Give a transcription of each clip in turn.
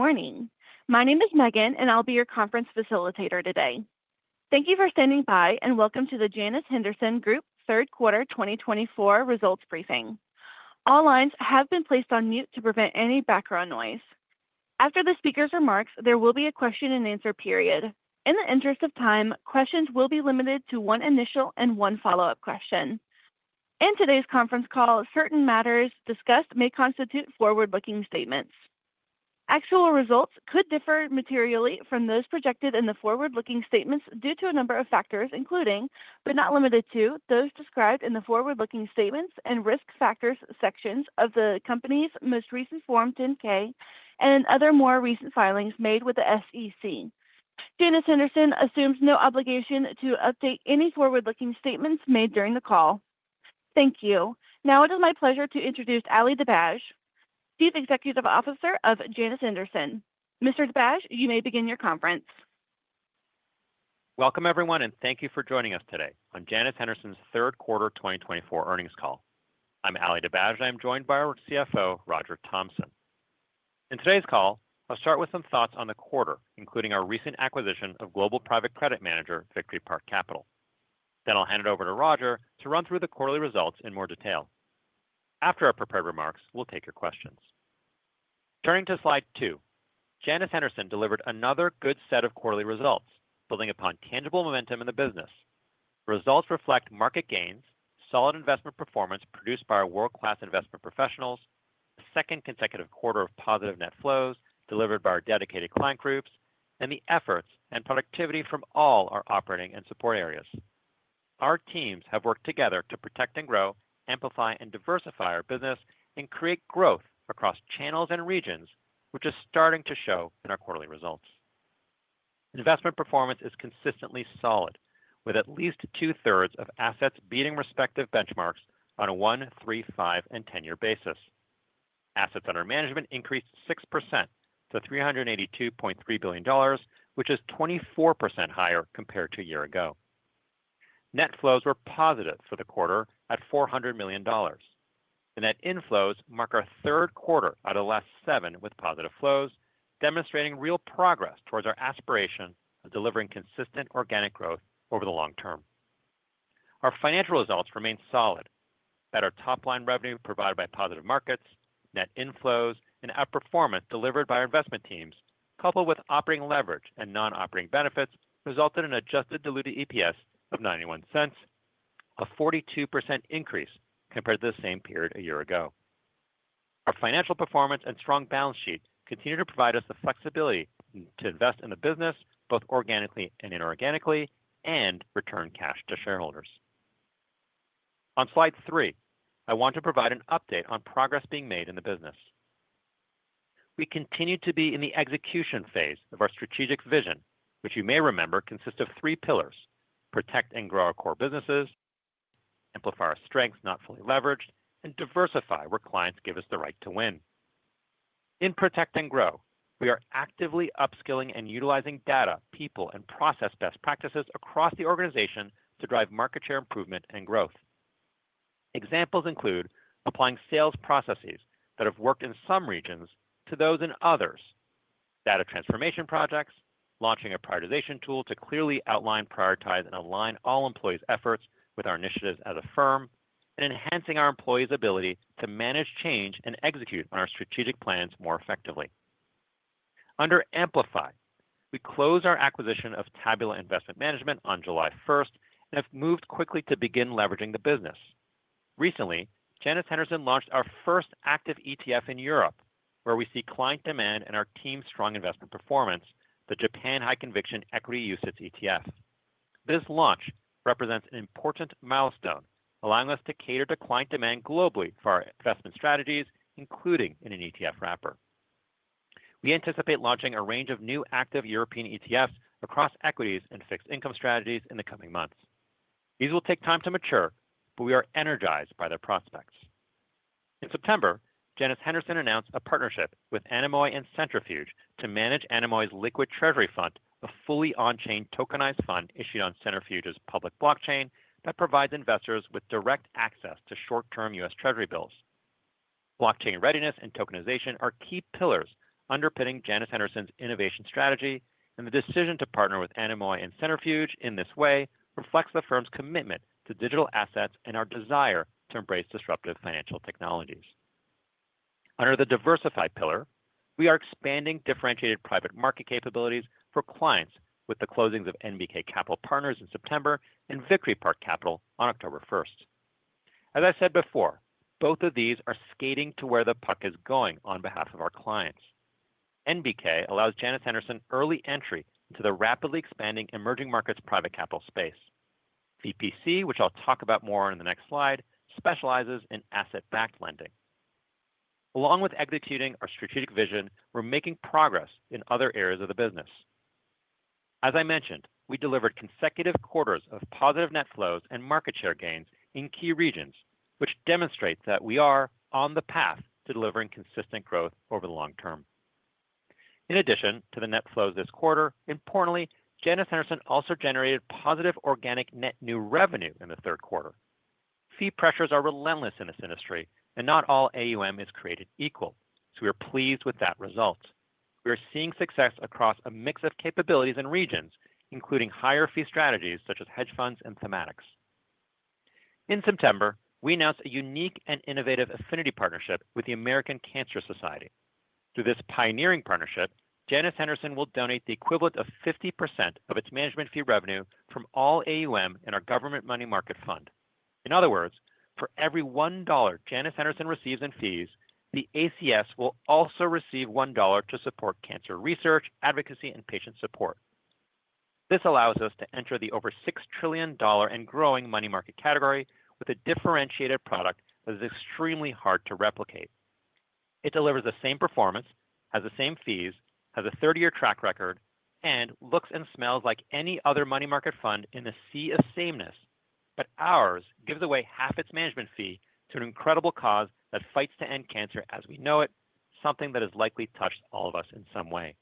Good morning. My name is Megan, and I'll be your conference facilitator today. Thank you for standing by, and welcome to the Janus Henderson Group third quarter 2024 results briefing. All lines have been placed on mute to prevent any background noise. After the speaker's remarks, there will be a question-and-answer period. In the interest of time, questions will be limited to one initial and one follow-up question. In today's conference call, certain matters discussed may constitute forward-looking statements. Actual results could differ materially from those projected in the forward-looking statements due to a number of factors, including, but not limited to, those described in the forward-looking statements and risk factors sections of the company's most recent Form 10-K and other more recent filings made with the SEC. Janus Henderson assumes no obligation to update any forward-looking statements made during the call. Thank you. Now, it is my pleasure to introduce Ali Dibadj, Chief Executive Officer of Janus Henderson. Mr. Dibadj, you may begin your conference. Welcome, everyone, and thank you for joining us today on Janus Henderson's third quarter 2024 earnings call. I'm Ali Dibadj, and I'm joined by our CFO, Roger Thompson. In today's call, I'll start with some thoughts on the quarter, including our recent acquisition of global private credit manager, Victory Park Capital. Then I'll hand it over to Roger to run through the quarterly results in more detail. After our prepared remarks, we'll take your questions. Turning to slide two, Janus Henderson delivered another good set of quarterly results, building upon tangible momentum in the business. The results reflect market gains, solid investment performance produced by our world-class investment professionals, a second consecutive quarter of positive net flows delivered by our dedicated client groups, and the efforts and productivity from all our operating and support areas. Our teams have worked together to protect and grow, amplify and diversify our business, and create growth across channels and regions, which is starting to show in our quarterly results. Investment performance is consistently solid, with at least two-thirds of assets beating respective benchmarks on a one, three, five, and 10-year basis. Assets under management increased 6% to $382.3 billion, which is 24% higher compared to a year ago. Net flows were positive for the quarter at $400 million. The net inflows mark our third quarter out of the last seven with positive flows, demonstrating real progress towards our aspiration of delivering consistent organic growth over the long term. Our financial results remain solid. Better top-line revenue provided by positive markets, net inflows, and outperformance delivered by our investment teams, coupled with operating leverage and non-operating benefits, resulted in an adjusted diluted EPS of $0.91, a 42% increase compared to the same period a year ago. Our financial performance and strong balance sheet continue to provide us the flexibility to invest in the business both organically and inorganically and return cash to shareholders. On slide three, I want to provide an update on progress being made in the business. We continue to be in the execution phase of our strategic vision, which you may remember consists of three pillars: protect and grow our core businesses, amplify our strengths not fully leveraged, and diversify where clients give us the right to win. In Protect & Grow, we are actively upskilling and utilizing data, people, and process best practices across the organization to drive market share improvement and growth. Examples include applying sales processes that have worked in some regions to those in others, data transformation projects, launching a prioritization tool to clearly outline, prioritize, and align all employees' efforts with our initiatives as a firm, and enhancing our employees' ability to manage change and execute on our strategic plans more effectively. Under Amplify, we closed our acquisition of Tabula Investment Management on July 1st and have moved quickly to begin leveraging the business. Recently, Janus Henderson launched our first active ETF in Europe, where we see client demand and our team's strong investment performance, the Japan High Conviction Equity UCITS ETF. This launch represents an important milestone, allowing us to cater to client demand globally for our investment strategies, including in an ETF wrapper. We anticipate launching a range of new active European ETFs across equities and fixed income strategies in the coming months. These will take time to mature, but we are energized by their prospects. In September, Janus Henderson announced a partnership with Anemoy and Centrifuge to manage Anemoy's Liquid Treasury Fund, a fully on-chain tokenized fund issued on Centrifuge's public blockchain that provides investors with direct access to short-term U.S. Treasury bills. Blockchain readiness and tokenization are key pillars underpinning Janus Henderson's innovation strategy, and the decision to partner with Anemoy and Centrifuge in this way reflects the firm's commitment to digital assets and our desire to embrace disruptive financial technologies. Under the Diversify pillar, we are expanding differentiated private market capabilities for clients with the closings of NBK Capital Partners in September and Victory Park Capital on October 1st. As I said before, both of these are skating to where the puck is going on behalf of our clients. NBK allows Janus Henderson early entry into the rapidly expanding emerging markets private capital space. VPC, which I'll talk about more on in the next slide, specializes in asset-backed lending. Along with executing our strategic vision, we're making progress in other areas of the business. As I mentioned, we delivered consecutive quarters of positive net flows and market share gains in key regions, which demonstrates that we are on the path to delivering consistent growth over the long term. In addition to the net flows this quarter, importantly, Janus Henderson also generated positive organic net new revenue in the third quarter. Fee pressures are relentless in this industry, and not all AUM is created equal, so we are pleased with that result. We are seeing success across a mix of capabilities and regions, including higher fee strategies such as hedge funds and thematics. In September, we announced a unique and innovative affinity partnership with the American Cancer Society. Through this pioneering partnership, Janus Henderson will donate the equivalent of 50% of its management fee revenue from all AUM in our Government Money Market Fund. In other words, for every $1 Janus Henderson receives in fees, the ACS will also receive $1 to support cancer research, advocacy, and patient support. This allows us to enter the over $6 trillion and growing money market category with a differentiated product that is extremely hard to replicate. It delivers the same performance, has the same fees, has a 30-year track record, and looks and smells like any other money market fund in the sea of sameness, but ours gives away half its management fee to an incredible cause that fights to end cancer as we know it, something that has likely touched all of us in some way.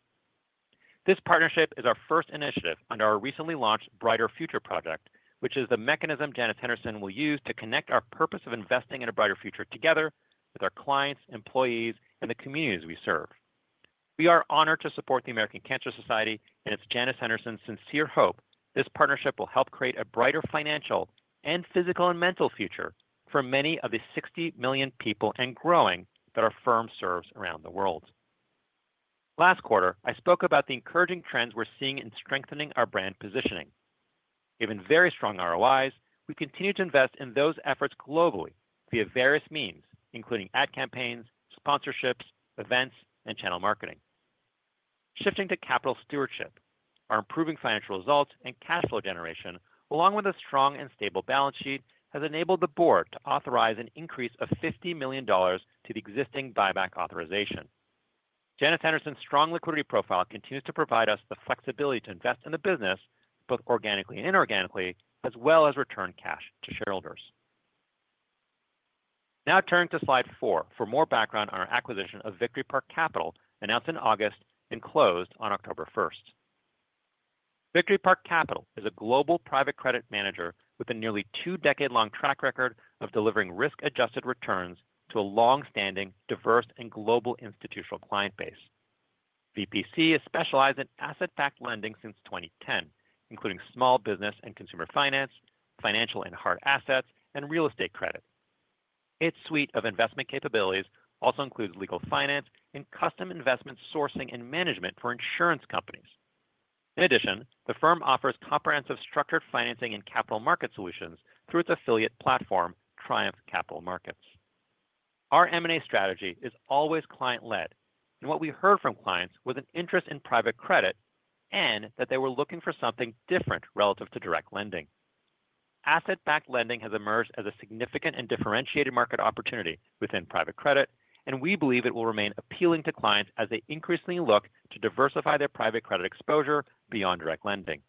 This partnership is our first initiative under our recently launched Brighter Future Project, which is the mechanism Janus Henderson will use to connect our purpose of investing in a brighter future together with our clients, employees, and the communities we serve. We are honored to support the American Cancer Society, and it's Janus Henderson's sincere hope this partnership will help create a brighter financial and physical and mental future for many of the 60 million people and growing that our firm serves around the world. Last quarter, I spoke about the encouraging trends we're seeing in strengthening our brand positioning. Given very strong ROIs, we continue to invest in those efforts globally via various means, including ad campaigns, sponsorships, events, and channel marketing. Shifting to capital stewardship, our improving financial results and cash flow generation, along with a strong and stable balance sheet, has enabled the board to authorize an increase of $50 million to the existing buyback authorization. Janus Henderson's strong liquidity profile continues to provide us the flexibility to invest in the business both organically and inorganically, as well as return cash to shareholders. Now, turning to slide four for more background on our acquisition of Victory Park Capital, announced in August and closed on October 1st. Victory Park Capital is a global private credit manager with a nearly two-decade-long track record of delivering risk-adjusted returns to a longstanding, diverse, and global institutional client base. VPC has specialized in asset-backed lending since 2010, including small business and consumer finance, financial and hard assets, and real estate credit. Its suite of investment capabilities also includes legal finance and custom investment sourcing and management for insurance companies. In addition, the firm offers comprehensive structured financing and capital market solutions through its affiliate platform, Triumph Capital Markets. Our M&A strategy is always client-led, and what we heard from clients was an interest in private credit and that they were looking for something different relative to direct lending. Asset-backed lending has emerged as a significant and differentiated market opportunity within private credit, and we believe it will remain appealing to clients as they increasingly look to diversify their private credit exposure beyond direct lending.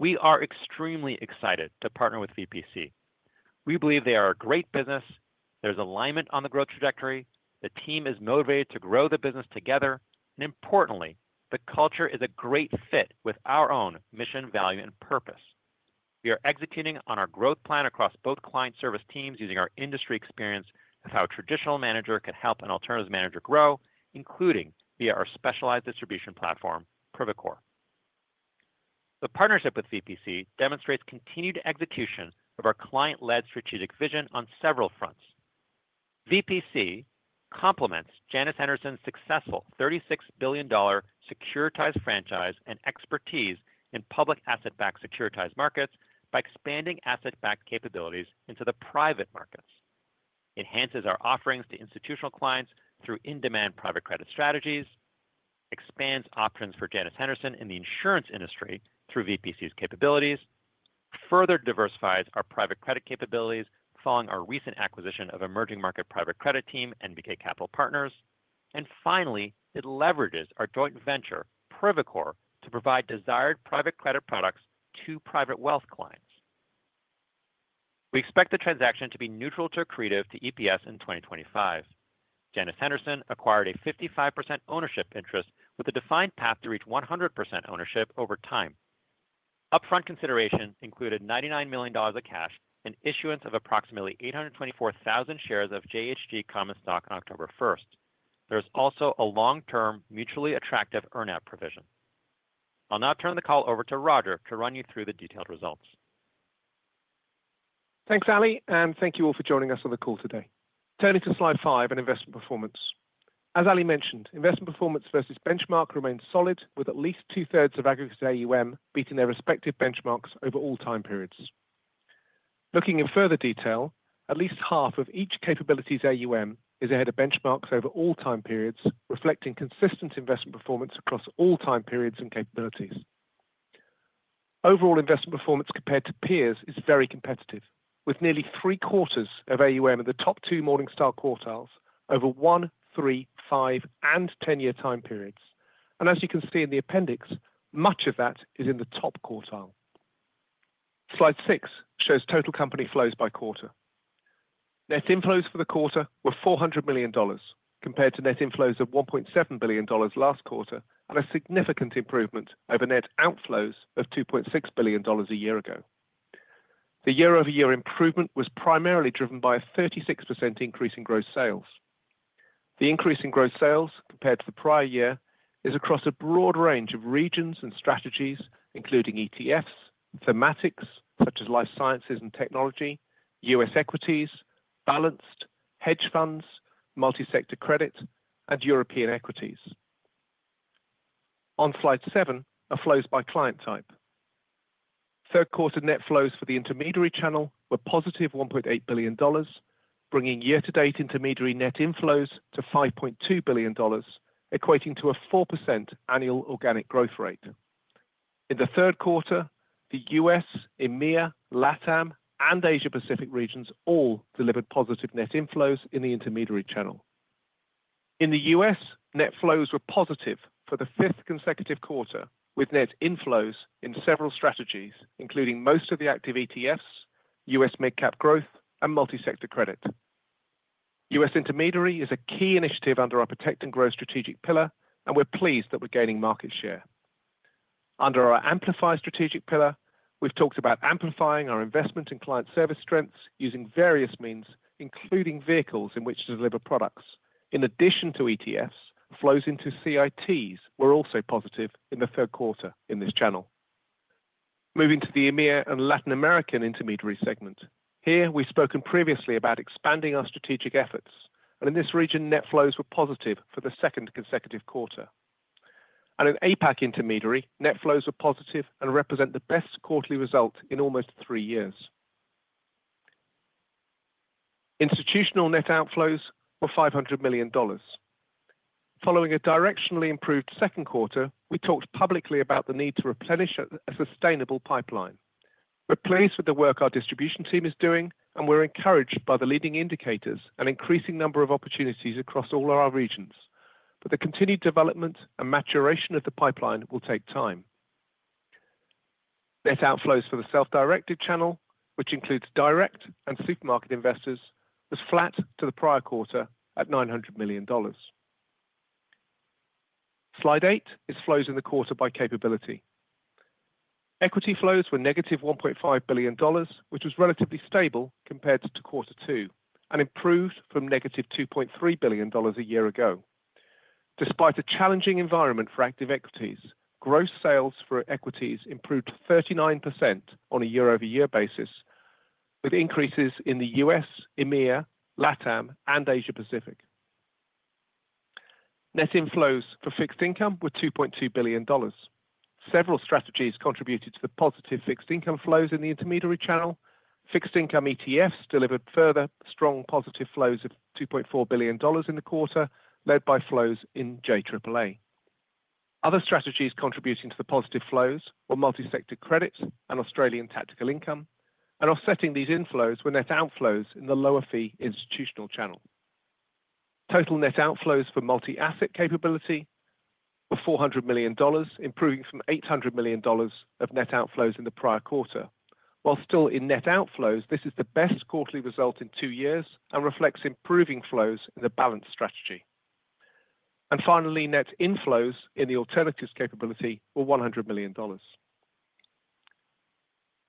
We are extremely excited to partner with VPC. We believe they are a great business. There's alignment on the growth trajectory. The team is motivated to grow the business together, and importantly, the culture is a great fit with our own mission, value, and purpose. We are executing on our growth plan across both client service teams using our industry experience of how a traditional manager can help an alternative manager grow, including via our specialized distribution platform, Privacore. The partnership with VPC demonstrates continued execution of our client-led strategic vision on several fronts. VPC complements Janus Henderson's successful $36 billion securitized franchise and expertise in public asset-backed securitized markets by expanding asset-backed capabilities into the private markets. It enhances our offerings to institutional clients through in-demand private credit strategies, expands options for Janus Henderson in the insurance industry through VPC's capabilities, further diversifies our private credit capabilities following our recent acquisition of emerging market private credit team, NBK Capital Partners, and finally, it leverages our joint venture, Privacore, to provide desired private credit products to private wealth clients. We expect the transaction to be neutral to accretive to EPS in 2025. Janus Henderson acquired a 55% ownership interest with a defined path to reach 100% ownership over time. Upfront consideration included $99 million of cash and issuance of approximately 824,000 shares of JHG Common Stock on October 1st. There is also a long-term mutually attractive earn-out provision. I'll now turn the call over to Roger to run you through the detailed results. Thanks, Ali, and thank you all for joining us on the call today. Turning to slide five and investment performance. As Ali mentioned, investment performance versus benchmark remains solid, with at least two-thirds of aggregates AUM beating their respective benchmarks over all time periods. Looking in further detail, at least half of each capability's AUM is ahead of benchmarks over all time periods, reflecting consistent investment performance across all time periods and capabilities. Overall investment performance compared to peers is very competitive, with nearly three-quarters of AUM in the top two Morningstar quartiles over one, three, five, and 10-year time periods, and as you can see in the appendix, much of that is in the top quartile. Slide six shows total company flows by quarter. Net inflows for the quarter were $400 million compared to net inflows of $1.7 billion last quarter and a significant improvement over net outflows of $2.6 billion a year ago. The year-over-year improvement was primarily driven by a 36% increase in gross sales. The increase in gross sales compared to the prior year is across a broad range of regions and strategies, including ETFs, thematics such as life sciences and technology, U.S. equities, balanced, hedge funds, Multi-Sector Credit, and European equities. On slide seven, flows by client type. Third quarter net flows for the intermediary channel were positive $1.8 billion, bringing year-to-date intermediary net inflows to $5.2 billion, equating to a 4% annual organic growth rate. In the third quarter, the U.S., EMEA, LATAM, and Asia-Pacific regions all delivered positive net inflows in the intermediary channel. In the U.S., net flows were positive for the fifth consecutive quarter, with net inflows in several strategies, including most of the active ETFs, U.S. Mid Cap Growth, and Multi-Sector Credit. U.S. intermediary is a key initiative under our Protect & Grow strategic pillar, and we're pleased that we're gaining market share. Under our Amplify strategic pillar, we've talked about amplifying our investment and client service strengths using various means, including vehicles in which to deliver products. In addition to ETFs, flows into CITs were also positive in the third quarter in this channel. Moving to the EMEA and Latin American intermediary segment, here we've spoken previously about expanding our strategic efforts, and in this region, net flows were positive for the second consecutive quarter. In APAC intermediary, net flows were positive and represent the best quarterly result in almost three years. Institutional net outflows were $500 million. Following a directionally improved second quarter, we talked publicly about the need to replenish a sustainable pipeline. We're pleased with the work our distribution team is doing, and we're encouraged by the leading indicators and increasing number of opportunities across all our regions. But the continued development and maturation of the pipeline will take time. Net outflows for the self-directed channel, which includes direct and supermarket investors, was flat to the prior quarter at $900 million. Slide eight is flows in the quarter by capability. Equity flows were negative $1.5 billion, which was relatively stable compared to quarter two, and improved from negative $2.3 billion a year ago. Despite a challenging environment for active equities, gross sales for equities improved 39% on a year-over-year basis, with increases in the U.S., EMEA, LATAM, and Asia-Pacific. Net inflows for fixed income were $2.2 billion. Several strategies contributed to the positive fixed income flows in the intermediary channel. Fixed income ETFs delivered further strong positive flows of $2.4 billion in the quarter, led by flows in JAAA. Other strategies contributing to the positive flows were Multi-Sector Credit and Australian Tactical Income. And offsetting these inflows were net outflows in the lower fee institutional channel. Total net outflows for multi-asset capability were $400 million, improving from $800 million of net outflows in the prior quarter. While still in net outflows, this is the best quarterly result in two years and reflects improving flows in the balanced strategy. And finally, net inflows in the alternatives capability were $100 million.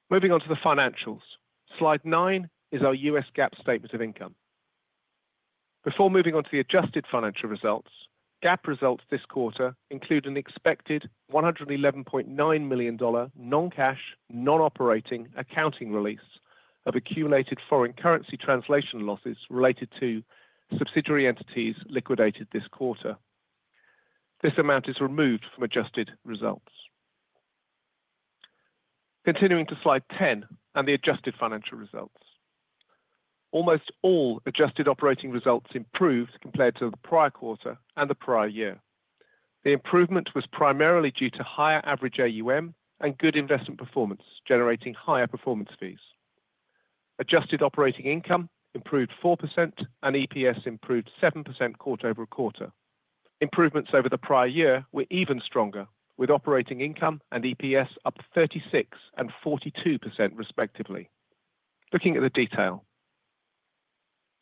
Moving on to the financials. Slide nine is our U.S. GAAP statement of income. Before moving on to the adjusted financial results, GAAP results this quarter include an expected $111.9 million non-cash, non-operating accounting release of accumulated foreign currency translation losses related to subsidiary entities liquidated this quarter. This amount is removed from adjusted results. Continuing to slide 10 and the adjusted financial results. Almost all adjusted operating results improved compared to the prior quarter and the prior year. The improvement was primarily due to higher average AUM and good investment performance generating higher performance fees. Adjusted operating income improved 4%, and EPS improved 7% quarter over quarter. Improvements over the prior year were even stronger, with operating income and EPS up 36% and 42% respectively. Looking at the detail,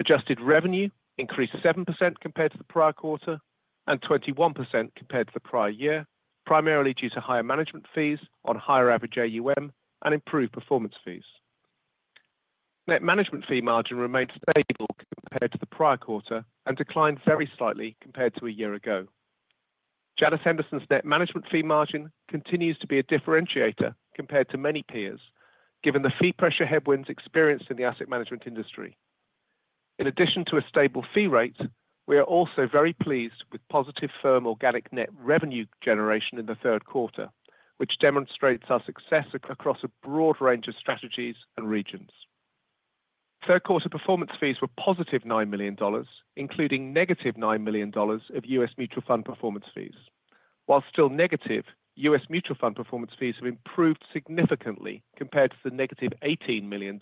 adjusted revenue increased 7% compared to the prior quarter and 21% compared to the prior year, primarily due to higher management fees on higher average AUM and improved performance fees. Net management fee margin remained stable compared to the prior quarter and declined very slightly compared to a year ago. Janus Henderson's net management fee margin continues to be a differentiator compared to many peers, given the fee pressure headwinds experienced in the asset management industry. In addition to a stable fee rate, we are also very pleased with positive firm organic net revenue generation in the third quarter, which demonstrates our success across a broad range of strategies and regions. Third quarter performance fees were +$9 million, including -$9 million of U.S. mutual fund performance fees. While still negative, U.S. mutual fund performance fees have improved significantly compared to the -$18 million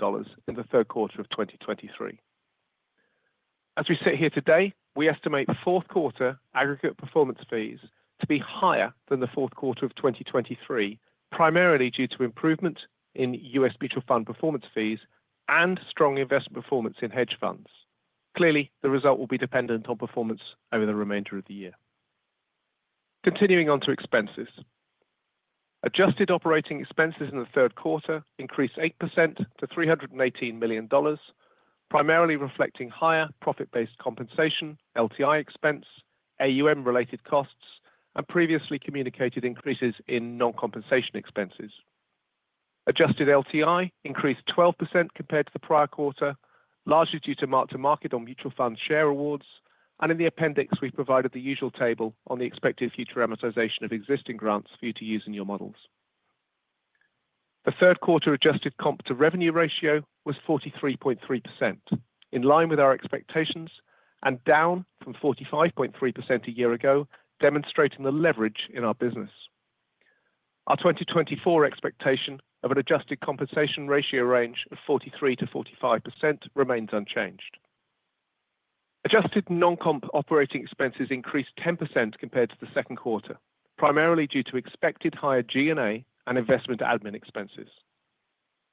in the third quarter of 2023. As we sit here today, we estimate fourth quarter aggregate performance fees to be higher than the fourth quarter of 2023, primarily due to improvement in U.S. mutual fund performance fees and strong investment performance in hedge funds. Clearly, the result will be dependent on performance over the remainder of the year. Continuing on to expenses. Adjusted operating expenses in the third quarter increased 8% to $318 million, primarily reflecting higher profit-based compensation, LTI expense, AUM-related costs, and previously communicated increases in non-compensation expenses. Adjusted LTI increased 12% compared to the prior quarter, largely due to mark-to-market on mutual fund share awards. And in the appendix, we've provided the usual table on the expected future amortization of existing grants for you to use in your models. The third quarter adjusted comp to revenue ratio was 43.3%, in line with our expectations and down from 45.3% a year ago, demonstrating the leverage in our business. Our 2024 expectation of an adjusted compensation ratio range of 43%-45% remains unchanged. Adjusted non-comp operating expenses increased 10% compared to the second quarter, primarily due to expected higher G&A and investment admin expenses.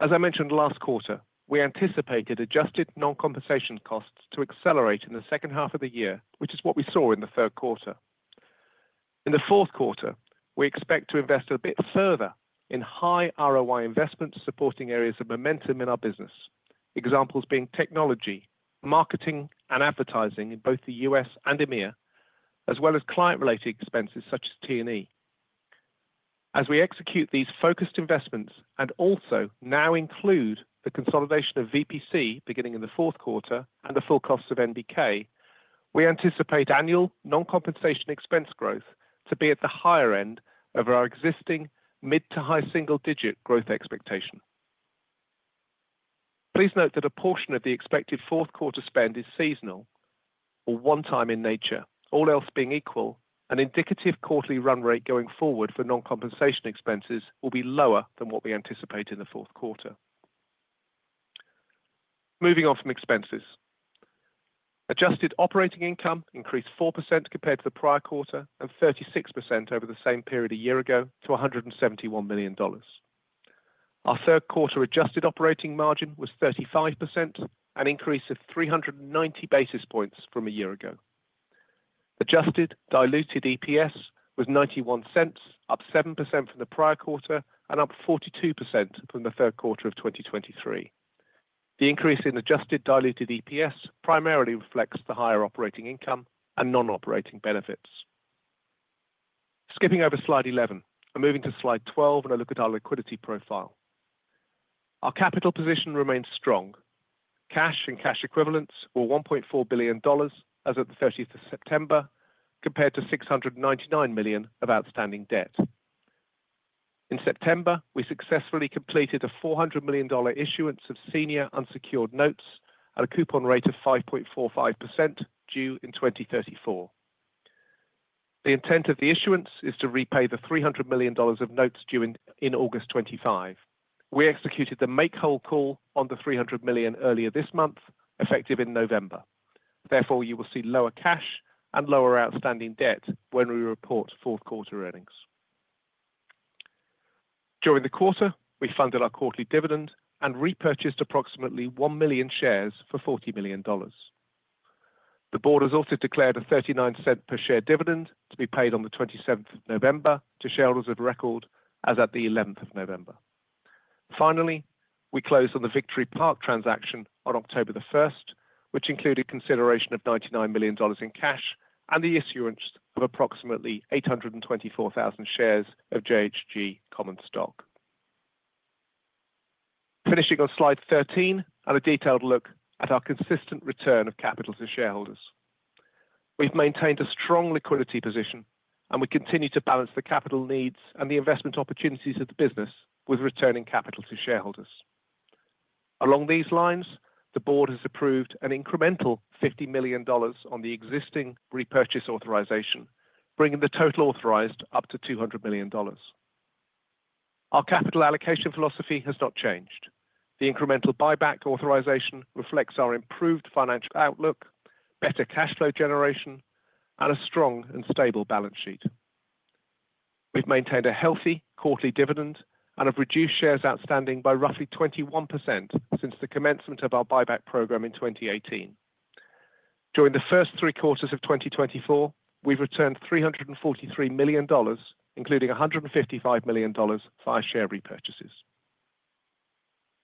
As I mentioned last quarter, we anticipated adjusted non-compensation costs to accelerate in the second half of the year, which is what we saw in the third quarter. In the fourth quarter, we expect to invest a bit further in high ROI investments supporting areas of momentum in our business, examples being technology, marketing, and advertising in both the U.S. and EMEA, as well as client-related expenses such as T&E. As we execute these focused investments and also now include the consolidation of VPC beginning in the fourth quarter and the full costs of NBK, we anticipate annual non-compensation expense growth to be at the higher end of our existing mid to high single-digit growth expectation. Please note that a portion of the expected fourth quarter spend is seasonal or one-time in nature. All else being equal, an indicative quarterly run rate going forward for non-compensation expenses will be lower than what we anticipate in the fourth quarter. Moving on from expenses. Adjusted operating income increased 4% compared to the prior quarter and 36% over the same period a year ago to $171 million. Our third quarter adjusted operating margin was 35%, an increase of 390 basis points from a year ago. Adjusted diluted EPS was $0.91, up 7% from the prior quarter and up 42% from the third quarter of 2023. The increase in adjusted diluted EPS primarily reflects the higher operating income and non-operating benefits. Skipping over slide 11, I'm moving to slide 12 and I look at our liquidity profile. Our capital position remains strong. Cash and cash equivalents were $1.4 billion as of the 30th of September, compared to $699 million of outstanding debt. In September, we successfully completed a $400 million issuance of senior unsecured notes at a coupon rate of 5.45% due in 2034. The intent of the issuance is to repay the $300 million of notes due in August 2025. We executed the make-whole call on the $300 million earlier this month, effective in November. Therefore, you will see lower cash and lower outstanding debt when we report fourth quarter earnings. During the quarter, we funded our quarterly dividend and repurchased approximately 1 million shares for $40 million. The board has also declared a $0.39 per share dividend to be paid on the 27th of November to shareholders of record as at the 11th of November. Finally, we closed on the Victory Park transaction on October the 1st, which included consideration of $99 million in cash and the issuance of approximately 824,000 shares of JHG Common Stock. Finishing on slide 13 and a detailed look at our consistent return of capital to shareholders. We've maintained a strong liquidity position, and we continue to balance the capital needs and the investment opportunities of the business with returning capital to shareholders. Along these lines, the board has approved an incremental $50 million on the existing repurchase authorization, bringing the total authorized up to $200 million. Our capital allocation philosophy has not changed. The incremental buyback authorization reflects our improved financial outlook, better cash flow generation, and a strong and stable balance sheet. We've maintained a healthy quarterly dividend and have reduced shares outstanding by roughly 21% since the commencement of our buyback program in 2018. During the first three quarters of 2024, we've returned $343 million, including $155 million via share repurchases.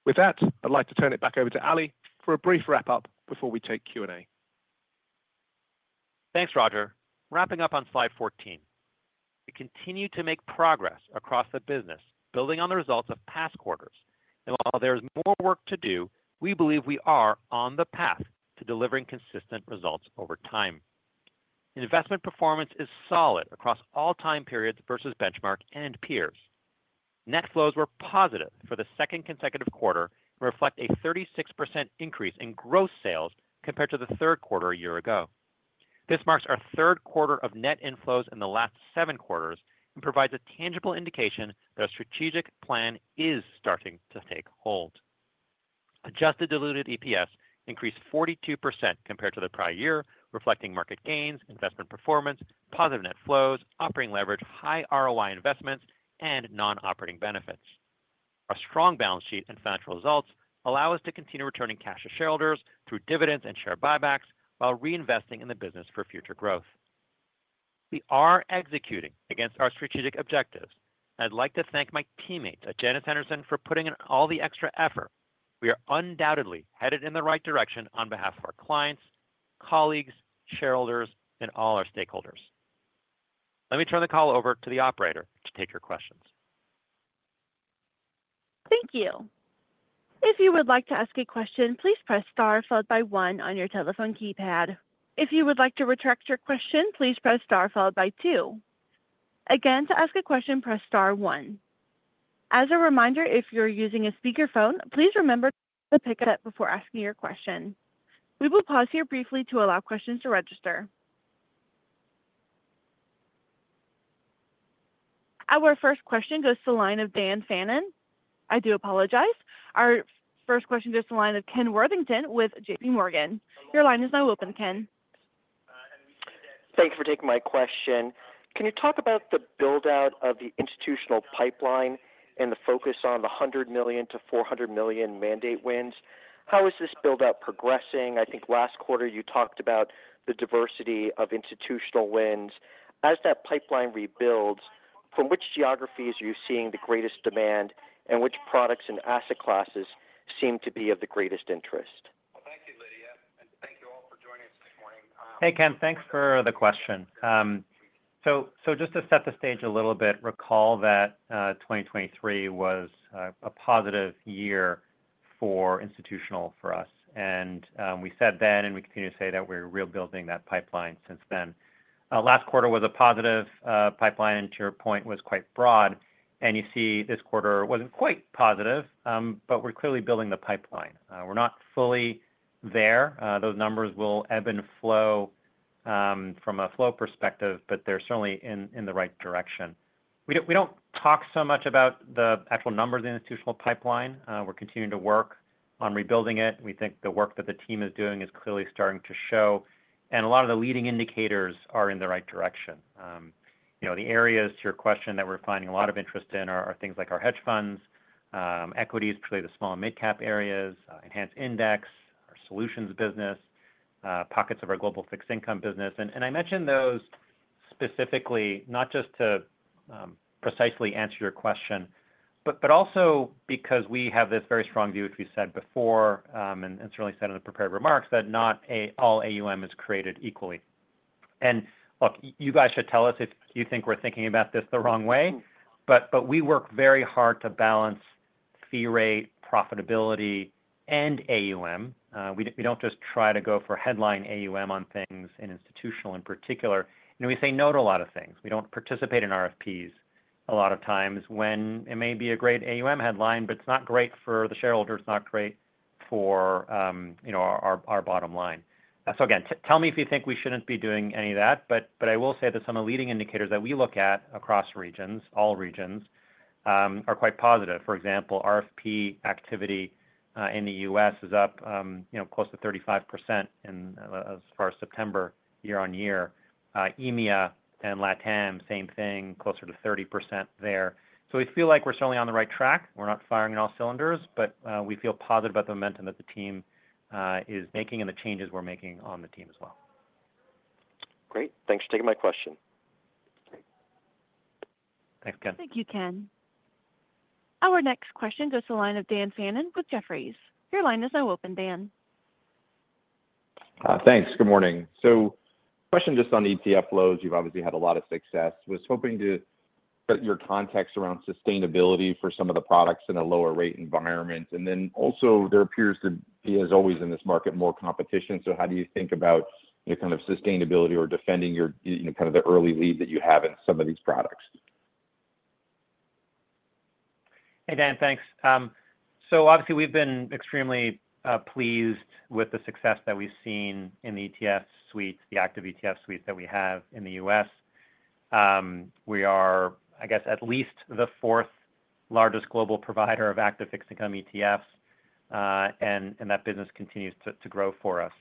With that, I'd like to turn it back over to Ali for a brief wrap-up before we take Q&A. Thanks, Roger. Wrapping up on slide 14. We continue to make progress across the business, building on the results of past quarters. And while there is more work to do, we believe we are on the path to delivering consistent results over time. Investment performance is solid across all time periods versus benchmark and peers. Net flows were positive for the second consecutive quarter and reflect a 36% increase in gross sales compared to the third quarter a year ago. This marks our third quarter of net inflows in the last seven quarters and provides a tangible indication that our strategic plan is starting to take hold. Adjusted diluted EPS increased 42% compared to the prior year, reflecting market gains, investment performance, positive net flows, operating leverage, high ROI investments, and non-operating benefits. Our strong balance sheet and financial results allow us to continue returning cash to shareholders through dividends and share buybacks while reinvesting in the business for future growth. We are executing against our strategic objectives. I'd like to thank my teammates at Janus Henderson for putting in all the extra effort. We are undoubtedly headed in the right direction on behalf of our clients, colleagues, shareholders, and all our stakeholders. Let me turn the call over to the operator to take your questions. Thank you. If you would like to ask a question, please press star followed by one on your telephone keypad. If you would like to retract your question, please press star followed by two. Again, to ask a question, press star one. As a reminder, if you're using a speakerphone, please remember to pick it up before asking your question. We will pause here briefly to allow questions to register. Our first question goes to the line of Dan Fannon. I do apologize. Our first question goes to the line of Ken Worthington with JPMorgan. Your line is now open, Ken. Thanks for taking my question. Can you talk about the build-out of the institutional pipeline and the focus on the $100 million-$400 million mandate wins? How is this build-out progressing? I think last quarter you talked about the diversity of institutional wins. As that pipeline rebuilds, from which geographies are you seeing the greatest demand, and which products and asset classes seem to be of the greatest interest? Hey, Ken, thanks for the question. So just to set the stage a little bit, recall that 2023 was a positive year for institutional for us. And we said then, and we continue to say that we're rebuilding that pipeline since then. Last quarter was a positive pipeline, and to your point, was quite broad. And you see this quarter wasn't quite positive, but we're clearly building the pipeline. We're not fully there. Those numbers will ebb and flow from a flow perspective, but they're certainly in the right direction. We don't talk so much about the actual numbers in the institutional pipeline. We're continuing to work on rebuilding it. We think the work that the team is doing is clearly starting to show, and a lot of the leading indicators are in the right direction. The areas, to your question, that we're finding a lot of interest in are things like our hedge funds, equities, particularly the small and mid-cap areas, Enhanced Index, our solutions business, pockets of our global fixed income business. And I mentioned those specifically not just to precisely answer your question, but also because we have this very strong view, which we said before and certainly said in the prepared remarks, that not all AUM is created equally. And look, you guys should tell us if you think we're thinking about this the wrong way, but we work very hard to balance fee rate, profitability, and AUM. We don't just try to go for headline AUM on things in institutional in particular. And we say no to a lot of things. We don't participate in RFPs a lot of times when it may be a great AUM headline, but it's not great for the shareholders. It's not great for our bottom line. So again, tell me if you think we shouldn't be doing any of that. But I will say that some of the leading indicators that we look at across regions, all regions, are quite positive. For example, RFP activity in the U.S. is up close to 35% as far as September year-on-year. EMEA and LATAM, same thing, closer to 30% there. So we feel like we're certainly on the right track. We're not firing on all cylinders, but we feel positive about the momentum that the team is making and the changes we're making on the team as well. Great. Thanks for taking my question. Thanks, Ken. Thank you, Ken. Our next question goes to the line of Dan Fannon with Jefferies. Your line is now open, Dan. Thanks. Good morning. So question just on ETF flows. You've obviously had a lot of success. I was hoping to get your context around sustainability for some of the products in a lower-rate environment. And then also there appears to be, as always in this market, more competition. So how do you think about kind of sustainability or defending kind of the early lead that you have in some of these products? Hey, Dan, thanks. So obviously, we've been extremely pleased with the success that we've seen in the ETF suites, the active ETF suites that we have in the U.S. We are, I guess, at least the fourth largest global provider of active fixed income ETFs, and that business continues to grow for us.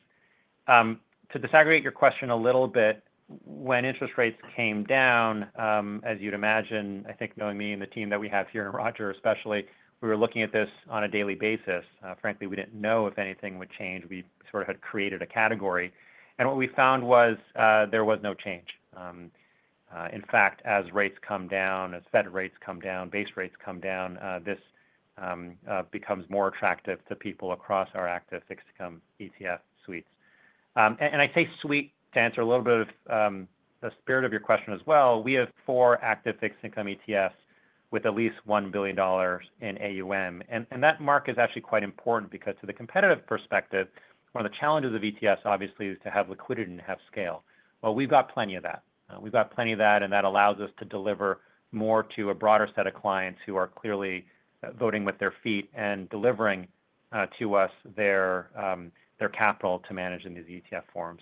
To disaggregate your question a little bit, when interest rates came down, as you'd imagine, I think knowing me and the team that we have here and Roger especially, we were looking at this on a daily basis. Frankly, we didn't know if anything would change. We sort of had created a category, and what we found was there was no change. In fact, as rates come down, as Fed rates come down, base rates come down, this becomes more attractive to people across our active fixed income ETF suites, and I say suite to answer a little bit of the spirit of your question as well. We have four active fixed income ETFs with at least $1 billion in AUM, and that mark is actually quite important because to the competitive perspective, one of the challenges of ETFs obviously is to have liquidity and have scale. We've got plenty of that. We've got plenty of that, and that allows us to deliver more to a broader set of clients who are clearly voting with their feet and delivering to us their capital to manage in these ETF forms.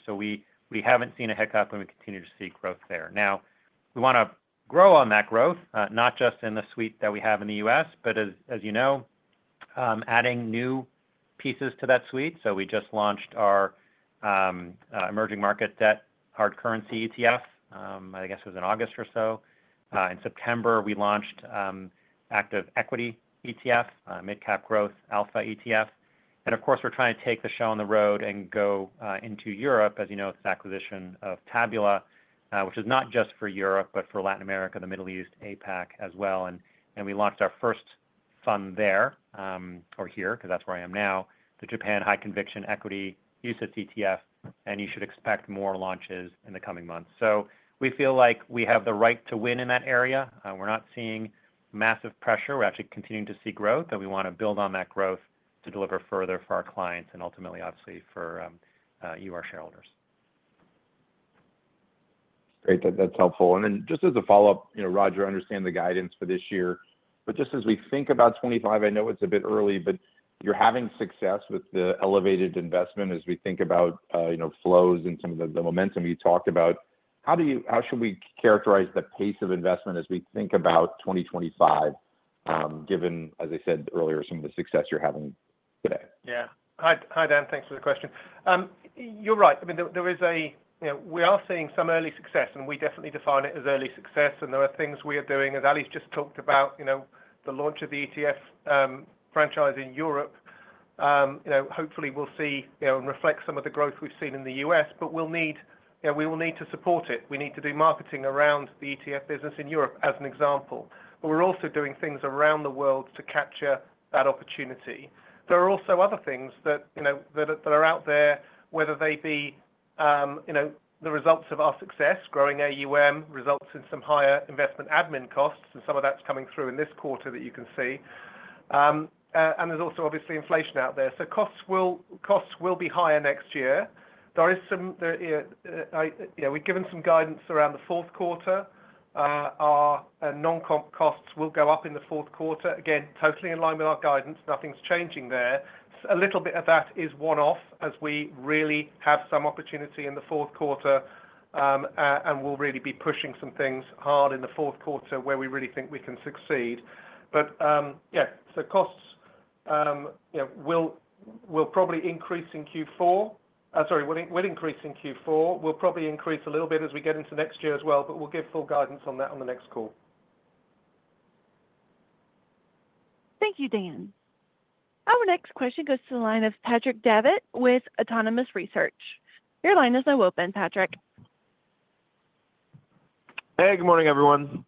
We haven't seen a hiccup, and we continue to see growth there. Now, we want to grow on that growth, not just in the suite that we have in the U.S., but as you know, adding new pieces to that suite. We just launched our Emerging Market Debt Hard Currency ETF, I guess it was in August or so. In September, we launched Active Equity ETF, Mid Cap Growth Alpha ETF. Of course, we're trying to take the show on the road and go into Europe. As you know, it's an acquisition of Tabula, which is not just for Europe, but for Latin America, the Middle East, APAC as well, and we launched our first fund there or here because that's where I am now, the Japan High Conviction Equity UCITS ETF, and you should expect more launches in the coming months, so we feel like we have the right to win in that area. We're not seeing massive pressure. We're actually continuing to see growth, and we want to build on that growth to deliver further for our clients and ultimately, obviously, for you, our shareholders. Great. That's helpful. And then just as a follow-up, Roger, I understand the guidance for this year, but just as we think about 2025, I know it's a bit early, but you're having success with the elevated investment as we think about flows and some of the momentum you talked about. How should we characterize the pace of investment as we think about 2025, given, as I said earlier, some of the success you're having today? Yeah. Hi, Dan. Thanks for the question. You're right. I mean, there is, we are seeing some early success, and we definitely define it as early success. And there are things we are doing, as Ali's just talked about, the launch of the ETF franchise in Europe. Hopefully, we'll see and reflect some of the growth we've seen in the U.S., but we will need to support it. We need to do marketing around the ETF business in Europe as an example. But we're also doing things around the world to capture that opportunity. There are also other things that are out there, whether they be the results of our success, growing AUM, results in some higher investment admin costs, and some of that's coming through in this quarter that you can see. And there's also, obviously, inflation out there. So costs will be higher next year. We've given some guidance around the fourth quarter. Our non-comp costs will go up in the fourth quarter. Again, totally in line with our guidance. Nothing's changing there. A little bit of that is one-off as we really have some opportunity in the fourth quarter, and we'll really be pushing some things hard in the fourth quarter where we really think we can succeed. But yeah, so costs will probably increase in Q4. Sorry, will increase in Q4. We'll probably increase a little bit as we get into next year as well, but we'll give full guidance on that on the next call. Thank you, Dan. Our next question goes to the line of Patrick Davitt with Autonomous Research. Your line is now open, Patrick. Hey, good morning, everyone.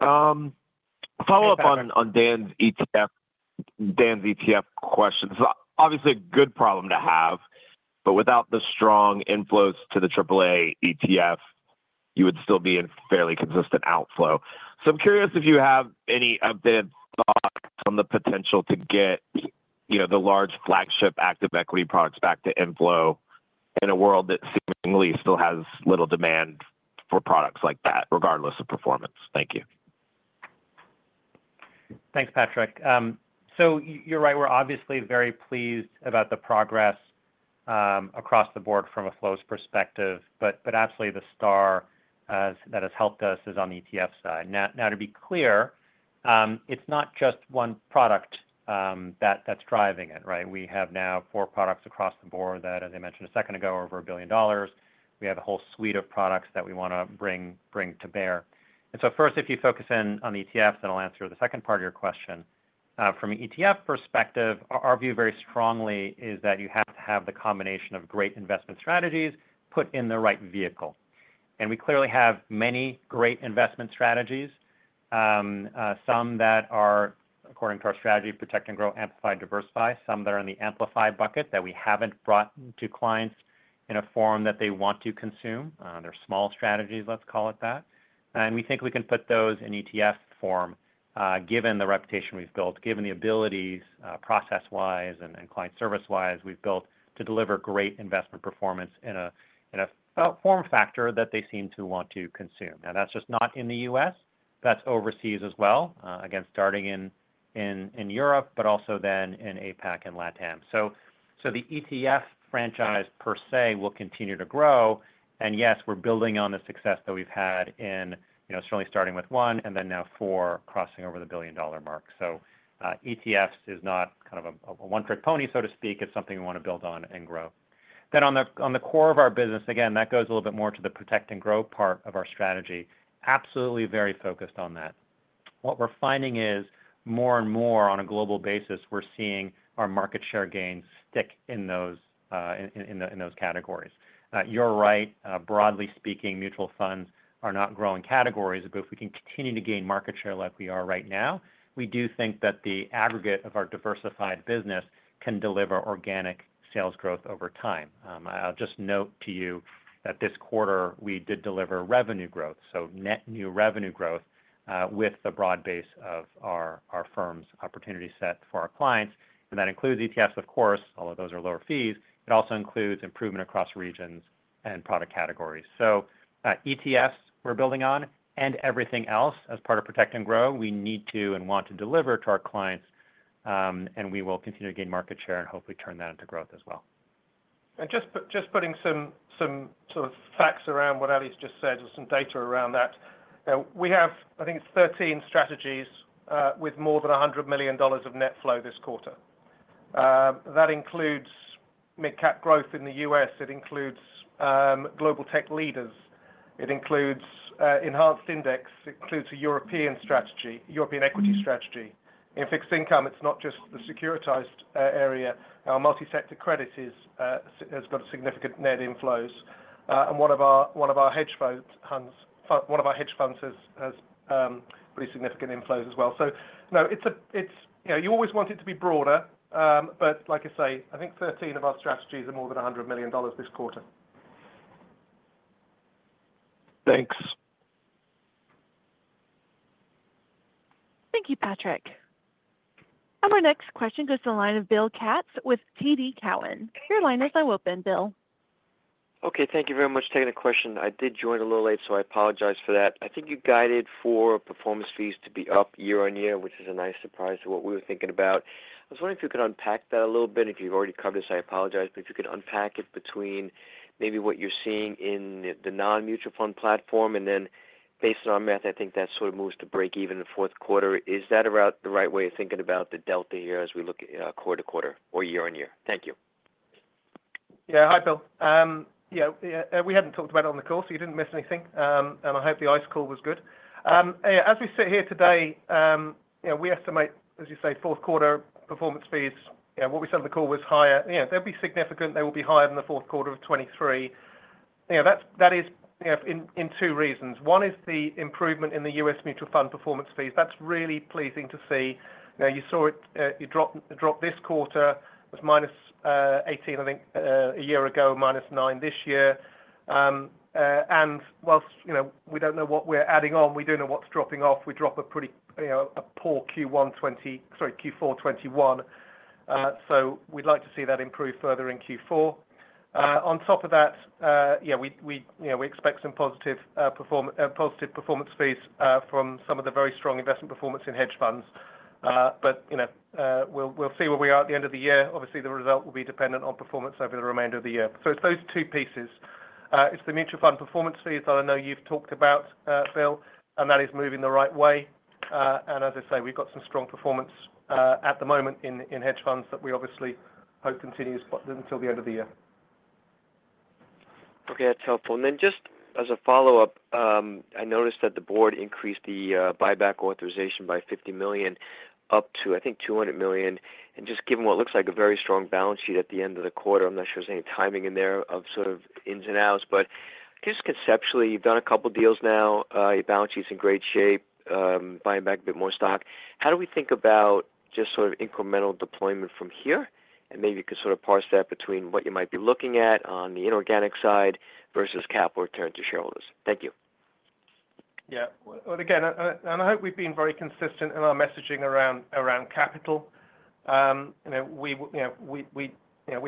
Follow-up on Dan's ETF questions. Obviously, a good problem to have, but without the strong inflows to the AAA ETF, you would still be in fairly consistent outflow. So I'm curious if you have any updated thoughts on the potential to get the large flagship active equity products back to inflow in a world that seemingly still has little demand for products like that, regardless of performance. Thank you. Thanks, Patrick. So you're right. We're obviously very pleased about the progress across the board from a flows perspective, but absolutely the star that has helped us is on the ETF side. Now, to be clear, it's not just one product that's driving it, right? We have now four products across the board that, as I mentioned a second ago, are over $1 billion. We have a whole suite of products that we want to bring to bear. And so first, if you focus in on the ETFs, then I'll answer the second part of your question. From an ETF perspective, our view very strongly is that you have to have the combination of great investment strategies put in the right vehicle. We clearly have many great investment strategies, some that are, according to our strategy, Protect & Grow, Amplify, Diversify, some that are in the Amplify bucket that we haven't brought to clients in a form that they want to consume. They're small strategies, let's call it that. We think we can put those in ETF form, given the reputation we've built, given the abilities process-wise and client service-wise we've built to deliver great investment performance in a form factor that they seem to want to consume. Now, that's just not in the U.S. That's overseas as well, again, starting in Europe, but also then in APAC and LATAM. The ETF franchise per se will continue to grow. Yes, we're building on the success that we've had in certainly starting with one and then now four crossing over the billion-dollar mark. So ETFs is not kind of a one-trick pony, so to speak. It's something we want to build on and grow. Then on the core of our business, again, that goes a little bit more to the Protect & Grow part of our strategy. Absolutely very focused on that. What we're finding is more and more on a global basis, we're seeing our market share gains stick in those categories. You're right. Broadly speaking, mutual funds are not growing categories, but if we can continue to gain market share like we are right now, we do think that the aggregate of our diversified business can deliver organic sales growth over time. I'll just note to you that this quarter, we did deliver revenue growth, so net new revenue growth with the broad base of our firm's opportunity set for our clients. That includes ETFs, of course, although those are lower fees. It also includes improvement across regions and product categories. ETFs we're building on and everything else as part of Protect & Grow. We need to and want to deliver to our clients, and we will continue to gain market share and hopefully turn that into growth as well. Just putting some sort of facts around what Ali's just said or some data around that, we have, I think it's 13 strategies with more than $100 million of net flow this quarter. That includes mid-cap growth in the U.S. It includes Global Tech Leaders. It includes enhanced index. It includes a European equity strategy. In fixed income, it's not just the securitized area. Our Multi-Sector Credit has got significant net inflows. One of our hedge funds has pretty significant inflows as well. So no, you always want it to be broader, but like I say, I think 13 of our strategies are more than $100 million this quarter. Thanks. Thank you, Patrick. Our next question goes to the line of Bill Katz with TD Cowen. Your line is now open, Bill. Okay. Thank you very much for taking the question. I did join a little late, so I apologize for that. I think you guided for performance fees to be up year-on-year, which is a nice surprise to what we were thinking about. I was wondering if you could unpack that a little bit. If you've already covered this, I apologize, but if you could unpack it between maybe what you're seeing in the non-mutual fund platform and then based on our math, I think that sort of moves to break even in the fourth quarter. Is that the right way of thinking about the delta here as we look quarter-to-quarter or year-on-year? Thank you. Yeah. Hi, Bill. Yeah. We hadn't talked about it on the call, so you didn't miss anything. And I hope the nice call was good. As we sit here today, we estimate, as you say, fourth quarter performance fees. What we said on the call was higher. They'll be significant. They will be higher than the fourth quarter of 2023. That is for two reasons. One is the improvement in the U.S. mutual fund performance fees. That's really pleasing to see. You saw it. It dropped this quarter. It was -18, I think, a year ago, -9 this year. And while we don't know what we're adding on, we do know what's dropping off. We're dropping a pretty poor Q4 2021. So we'd like to see that improve further in Q4. On top of that, yeah, we expect some positive performance fees from some of the very strong investment performance in hedge funds. But we'll see where we are at the end of the year. Obviously, the result will be dependent on performance over the remainder of the year. So it's those two pieces. It's the mutual fund performance fees that I know you've talked about, Bill, and that is moving the right way. And as I say, we've got some strong performance at the moment in hedge funds that we obviously hope continues until the end of the year. Okay. That's helpful. And then just as a follow-up, I noticed that the board increased the buyback authorization by $50 million up to, I think, $200 million. Just given what looks like a very strong balance sheet at the end of the quarter, I'm not sure there's any timing in there of sort of ins and outs, but just conceptually, you've done a couple of deals now. Your balance sheet's in great shape, buying back a bit more stock. How do we think about just sort of incremental deployment from here? And maybe you could sort of parse that between what you might be looking at on the inorganic side versus capital return to shareholders. Thank you. Yeah. Again, and I hope we've been very consistent in our messaging around capital. We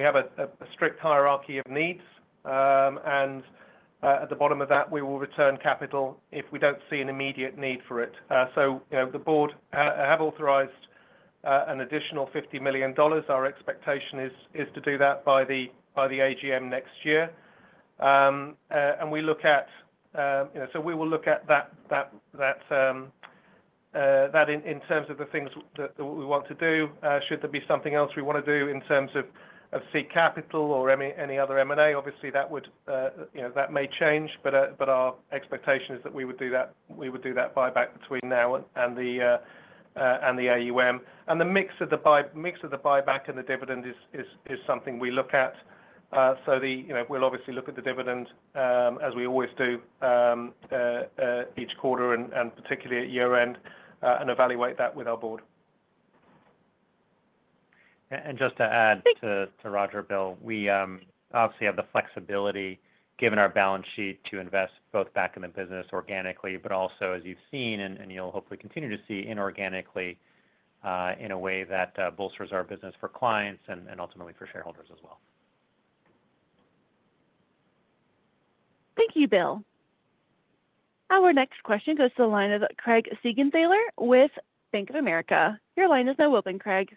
have a strict hierarchy of needs, and at the bottom of that, we will return capital if we don't see an immediate need for it. So the board have authorized an additional $50 million. Our expectation is to do that by the AGM next year. We will look at that in terms of the things that we want to do. Should there be something else we want to do in terms of seeking capital or any other M&A, obviously, that may change, but our expectation is that we would do that buyback between now and the AGM. The mix of the buyback and the dividend is something we look at. We'll obviously look at the dividend as we always do each quarter and particularly at year-end and evaluate that with our board. And just to add to Roger, Bill, we obviously have the flexibility, given our balance sheet, to invest both back in the business organically, but also, as you've seen and you'll hopefully continue to see inorganically in a way that bolsters our business for clients and ultimately for shareholders as well. Thank you, Bill. Our next question goes to the line of Craig Siegenthaler with Bank of America. Your line is now open, Craig.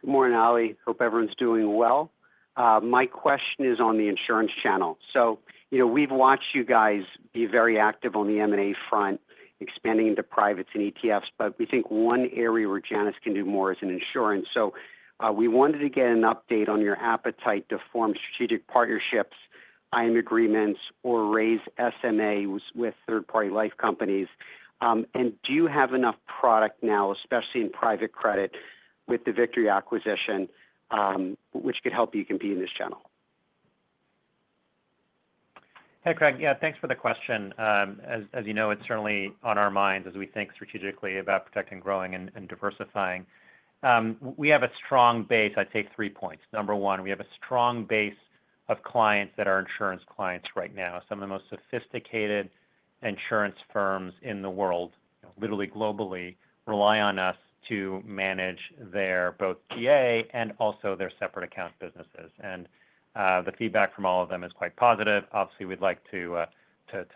Good morning, Ali. Hope everyone's doing well. My question is on the insurance channel. So we've watched you guys be very active on the M&A front, expanding into privates and ETFs, but we think one area where Janus can do more is in insurance. So we wanted to get an update on your appetite to form strategic partnerships, IM agreements, or raise SMAs with third-party life companies. And do you have enough product now, especially in private credit with the Victory acquisition, which could help you compete in this channel? Hey, Craig. Yeah, thanks for the question. As you know, it's certainly on our minds as we think strategically about protecting, growing, and diversifying. We have a strong base. I'd say three points. Number one, we have a strong base of clients that are insurance clients right now. Some of the most sophisticated insurance firms in the world, literally globally, rely on us to manage their both PA and also their separate account businesses. And the feedback from all of them is quite positive. Obviously, we'd like to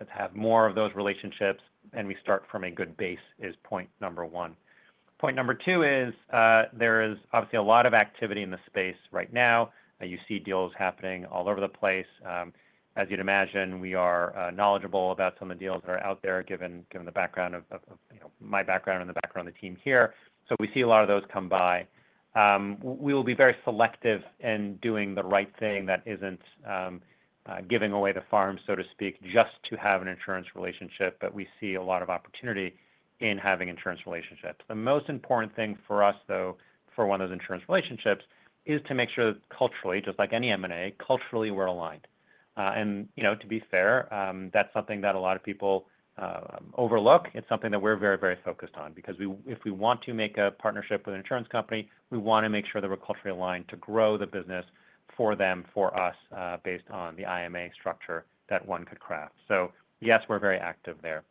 have more of those relationships, and we start from a good base is point number one. Point number two is there is obviously a lot of activity in the space right now. You see deals happening all over the place. As you'd imagine, we are knowledgeable about some of the deals that are out there, given the background of my background and the background of the team here, so we see a lot of those come by. We will be very selective in doing the right thing that isn't giving away the farm, so to speak, just to have an insurance relationship, but we see a lot of opportunity in having insurance relationships. The most important thing for us, though, for one of those insurance relationships, is to make sure that culturally, just like any M&A, culturally we're aligned, and to be fair, that's something that a lot of people overlook. It's something that we're very, very focused on because if we want to make a partnership with an insurance company, we want to make sure that we're culturally aligned to grow the business for them, for us, based on the IMA structure that one could craft, so yes, we're very active there.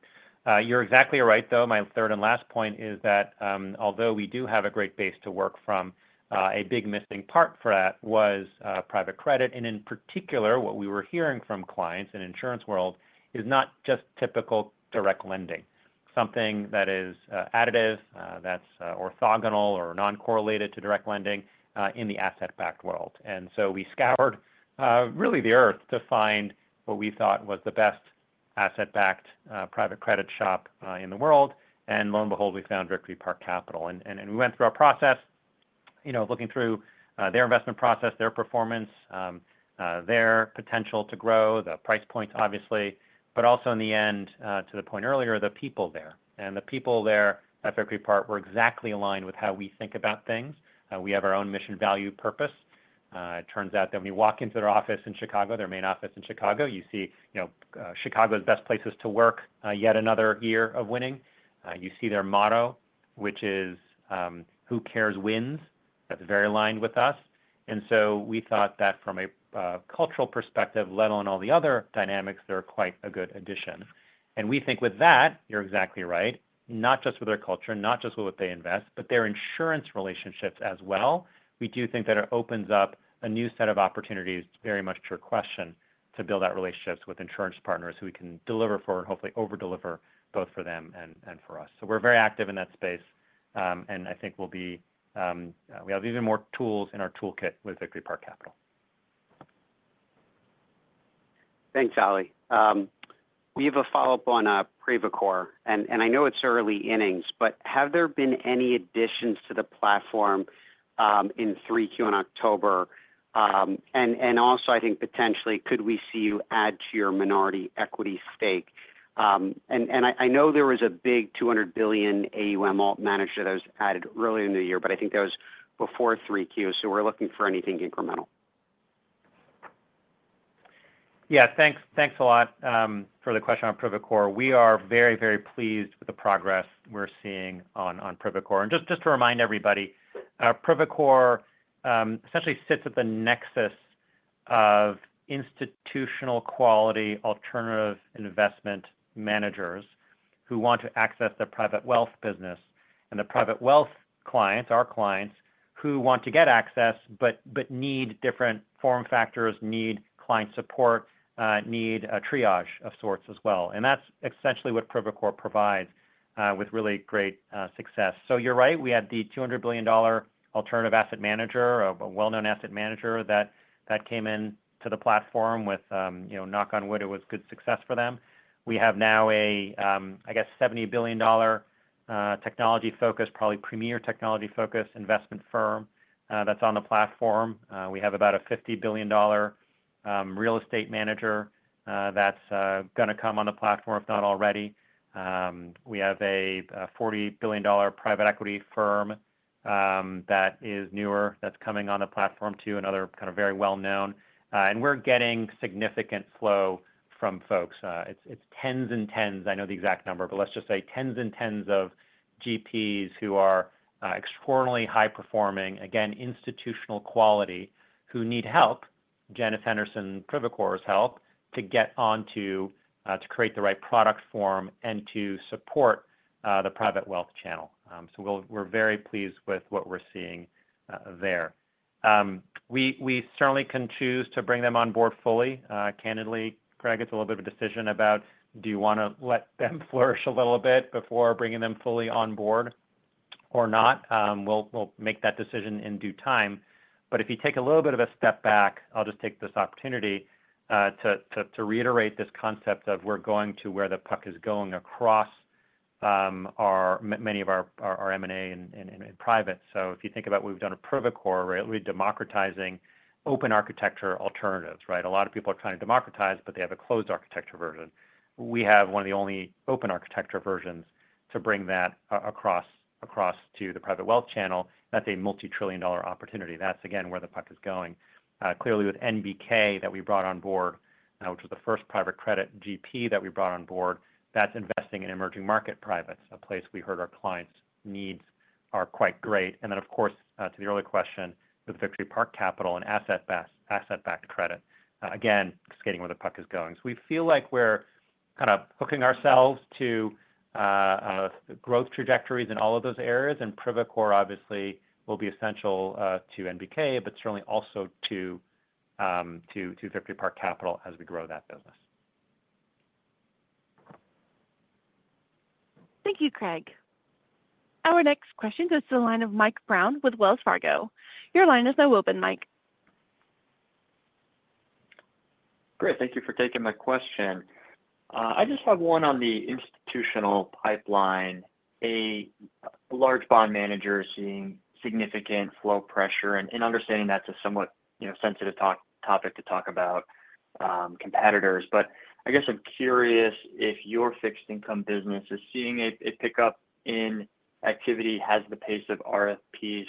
You're exactly right, though. My third and last point is that although we do have a great base to work from, a big missing part for that was private credit, and in particular, what we were hearing from clients in the insurance world is not just typical direct lending, something that is additive, that's orthogonal or non-correlated to direct lending in the asset-backed world, and so we scoured really the earth to find what we thought was the best asset-backed private credit shop in the world, and lo and behold, we found Victory Park Capital. And we went through our process, looking through their investment process, their performance, their potential to grow, the price points, obviously, but also in the end, to the point earlier, the people there. And the people there at Victory Park were exactly aligned with how we think about things. We have our own mission, value, purpose. It turns out that when you walk into their office in Chicago, their main office in Chicago, you see Chicago's Best Places to Work yet another year of winning. You see their motto, which is, "Who cares wins?" That's very aligned with us. And so we thought that from a cultural perspective, let alone all the other dynamics, they're quite a good addition. And we think with that, you're exactly right, not just with their culture, not just with what they invest, but their insurance relationships as well. We do think that it opens up a new set of opportunities. Very much to your question, to build out relationships with insurance partners who we can deliver for and hopefully overdeliver both for them and for us. So we're very active in that space, and I think we have even more tools in our toolkit with Victory Park Capital. Thanks, Ali. We have a follow-up on Privacore. I know it's early innings, but have there been any additions to the platform in 3Q in October? And also, I think potentially, could we see you add to your minority equity stake? And I know there was a big $200 billion AUM alternative manager that was added earlier in the year, but I think that was before 3Q, so we're looking for anything incremental. Yeah. Thanks a lot for the question on Privacore. We are very, very pleased with the progress we're seeing on Privacore. And just to remind everybody, Privacore essentially sits at the nexus of institutional quality alternative investment managers who want to access their private wealth business and the private wealth clients, our clients, who want to get access but need different form factors, need client support, need a triage of sorts as well. And that's essentially what Privacore provides with really great success. So you're right. We had the $200 billion alternative asset manager, a well-known asset manager that came into the platform with knock on wood, it was good success for them. We have now a, I guess, $70 billion technology-focused, probably premier technology-focused investment firm that's on the platform. We have about a $50 billion real estate manager that's going to come on the platform, if not already. We have a $40 billion private equity firm that is newer that's coming on the platform too, another kind of very well-known, and we're getting significant flow from folks. It's tens and tens. I know the exact number, but let's just say tens and tens of GPs who are extraordinarily high-performing, again, institutional quality who need help, Janus Henderson Privacore's help to get onto to create the right product form and to support the private wealth channel, so we're very pleased with what we're seeing there. We certainly can choose to bring them on board fully. Candidly, Craig, it's a little bit of a decision about do you want to let them flourish a little bit before bringing them fully on board or not. We'll make that decision in due time. But if you take a little bit of a step back, I'll just take this opportunity to reiterate this concept of we're going to where the puck is going across many of our M&A and private. So if you think about what we've done at Privacore, right, we're democratizing open architecture alternatives, right? A lot of people are trying to democratize, but they have a closed architecture version. We have one of the only open architecture versions to bring that across to the private wealth channel. That's a multi-trillion dollar opportunity. That's, again, where the puck is going. Clearly, with NBK that we brought on board, which was the first private credit GP that we brought on board, that's investing in emerging market privates, a place we heard our clients' needs are quite great. And then, of course, to the earlier question with Victory Park Capital and asset-backed credit, again, skating where the puck is going. So we feel like we're kind of hooking ourselves to growth trajectories in all of those areas. And Privacore, obviously, will be essential to NBK, but certainly also to Victory Park Capital as we grow that business. Thank you, Craig. Our next question goes to the line of Mike Brown with Wells Fargo. Your line is now open, Mike. Great. Thank you for taking my question. I just have one on the institutional pipeline. A large bond manager is seeing significant flow pressure. And understanding that's a somewhat sensitive topic to talk about competitors. But I guess I'm curious if your fixed income business is seeing a pickup in activity. Has the pace of RFPs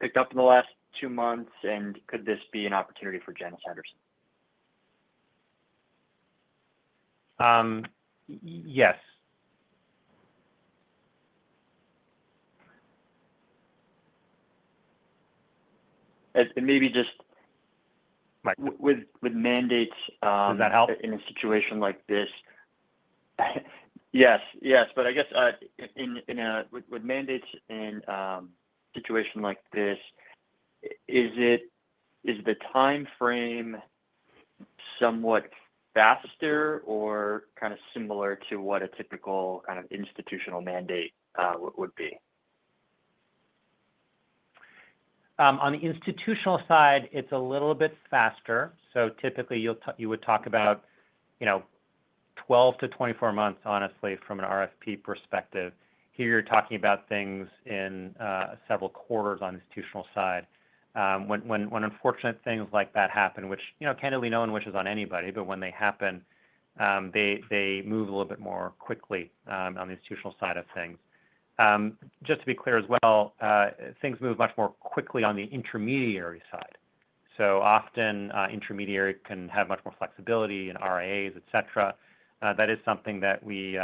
picked up in the last two months? Could this be an opportunity for Janus Henderson? Yes. Maybe just with mandates. Does that help? In a situation like this. Yes. Yes. I guess with mandates in a situation like this, is the timeframe somewhat faster or kind of similar to what a typical kind of institutional mandate would be? On the institutional side, it's a little bit faster. Typically, you would talk about 12-24 months, honestly, from an RFP perspective. Here, you're talking about things in several quarters on the institutional side. When unfortunate things like that happen, which candidly, no one wishes on anybody, but when they happen, they move a little bit more quickly on the institutional side of things. To be clear as well, things move much more quickly on the intermediary side. Often, intermediary can have much more flexibility in RIAs, etc. That is something that we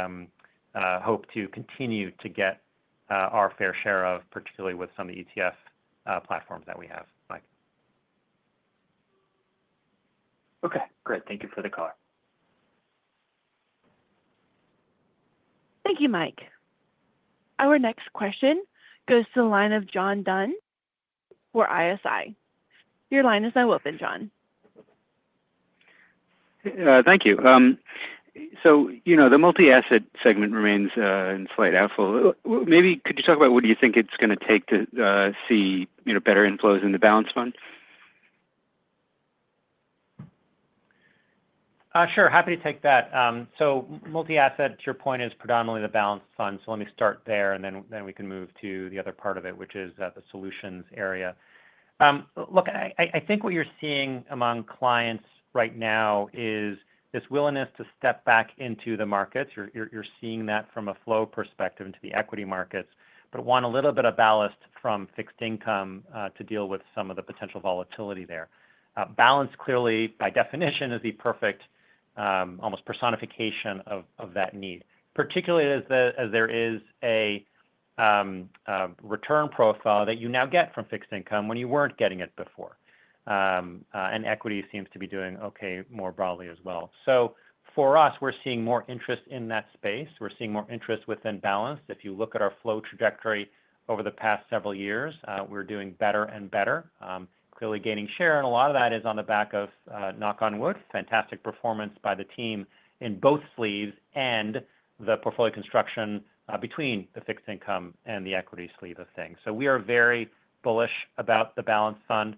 hope to continue to get our fair share of, particularly with some of the ETF platforms that we have, Mike. Okay. Great. Thank you for the call. Thank you, Mike. Our next question goes to the line of John Dunn for ISI. Your line is now open, John. Thank you. So the multi-asset segment remains in slight outflow. Maybe could you talk about what do you think it's going to take to see better inflows in the Balanced Fund? Sure. Happy to take that. So multi-asset, to your point, is predominantly the Balanced Fund. So let me start there, and then we can move to the other part of it, which is the solutions area. Look, I think what you're seeing among clients right now is this willingness to step back into the markets. You're seeing that from a flow perspective into the equity markets, but want a little bit of ballast from fixed income to deal with some of the potential volatility there. Balance, clearly, by definition, is the perfect almost personification of that need, particularly as there is a return profile that you now get from fixed income when you weren't getting it before. And equity seems to be doing okay more broadly as well. So for us, we're seeing more interest in that space. We're seeing more interest within balance. If you look at our flow trajectory over the past several years, we're doing better and better, clearly gaining share. And a lot of that is on the back of knock on wood, fantastic performance by the team in both sleeves and the portfolio construction between the fixed income and the equity sleeve of things. So we are very bullish about the Balanced Fund.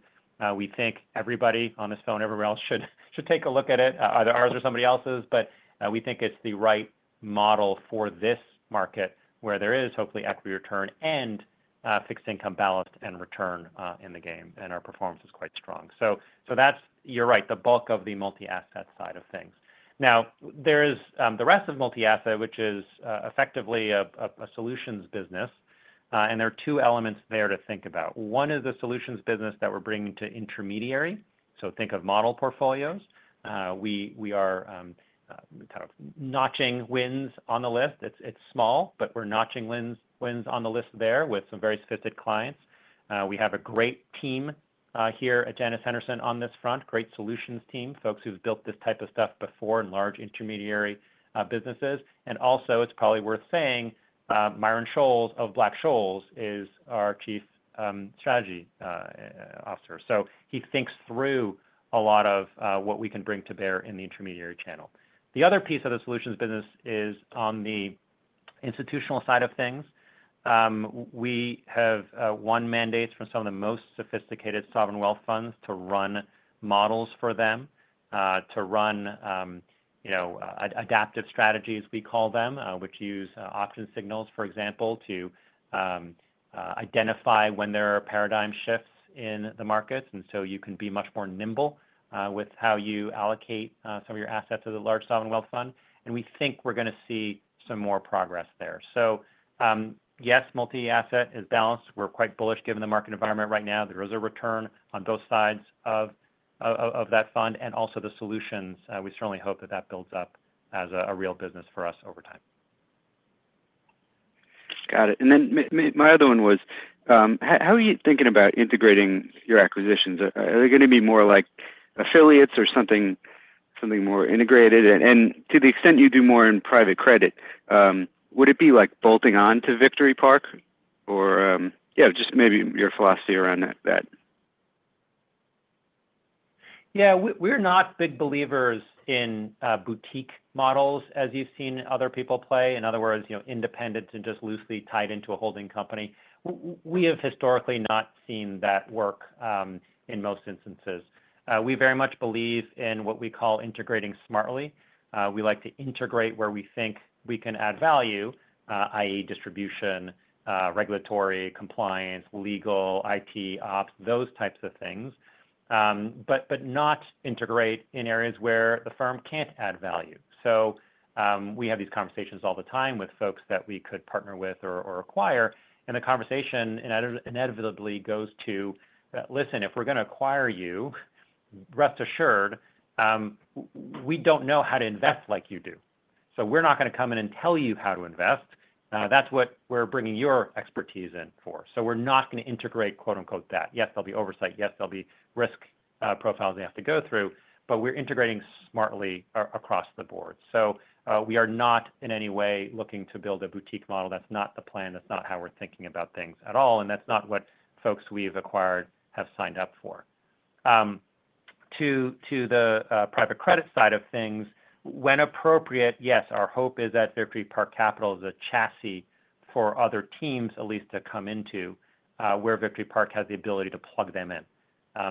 We think everybody on this phone, everywhere else, should take a look at it, either ours or somebody else's, but we think it's the right model for this market where there is hopefully equity return and fixed income balance and return in the game, and our performance is quite strong. So you're right, the bulk of the multi-asset side of things. Now, there is the rest of multi-asset, which is effectively a solutions business, and there are two elements there to think about. One is the solutions business that we're bringing to intermediary. So think of model portfolios. We are notching wins on the list. It's small, but we're notching wins on the list there with some very sophisticated clients. We have a great team here at Janus Henderson on this front, great solutions team, folks who've built this type of stuff before in large intermediary businesses, and also, it's probably worth saying Myron Scholes of Black-Scholes is our Chief Strategy Officer. So he thinks through a lot of what we can bring to bear in the intermediary channel. The other piece of the solutions business is on the institutional side of things. We have won mandates from some of the most sophisticated sovereign wealth funds to run models for them, to run adaptive strategies, we call them, which use option signals, for example, to identify when there are paradigm shifts in the markets, and so you can be much more nimble with how you allocate some of your assets to the large sovereign wealth fund. And we think we're going to see some more progress there. So yes, multi-asset is balanced. We're quite bullish given the market environment right now. There is a return on both sides of that fund. And also the solutions, we certainly hope that that builds up as a real business for us over time. Got it. And then my other one was, how are you thinking about integrating your acquisitions? Are they going to be more like affiliates or something more integrated? And to the extent you do more in private credit, would it be like bolting on to Victory Park? Or yeah, just maybe your philosophy around that. Yeah. We're not big believers in boutique models as you've seen other people play. In other words, independent and just loosely tied into a holding company. We have historically not seen that work in most instances. We very much believe in what we call integrating smartly. We like to integrate where we think we can add value, i.e., distribution, regulatory, compliance, legal, IT, ops, those types of things, but not integrate in areas where the firm can't add value. So we have these conversations all the time with folks that we could partner with or acquire. And the conversation inevitably goes to, "Listen, if we're going to acquire you, rest assured, we don't know how to invest like you do. So we're not going to come in and tell you how to invest. That's what we're bringing your expertise in for. So we're not going to integrate quote-unquote that." Yes, there'll be oversight. Yes, there'll be risk profiles they have to go through, but we're integrating smartly across the board. So we are not in any way looking to build a boutique model. That's not the plan. That's not how we're thinking about things at all. That's not what folks we've acquired have signed up for. To the private credit side of things, when appropriate, yes, our hope is that Victory Park Capital is a chassis for other teams at least to come into where Victory Park has the ability to plug them in.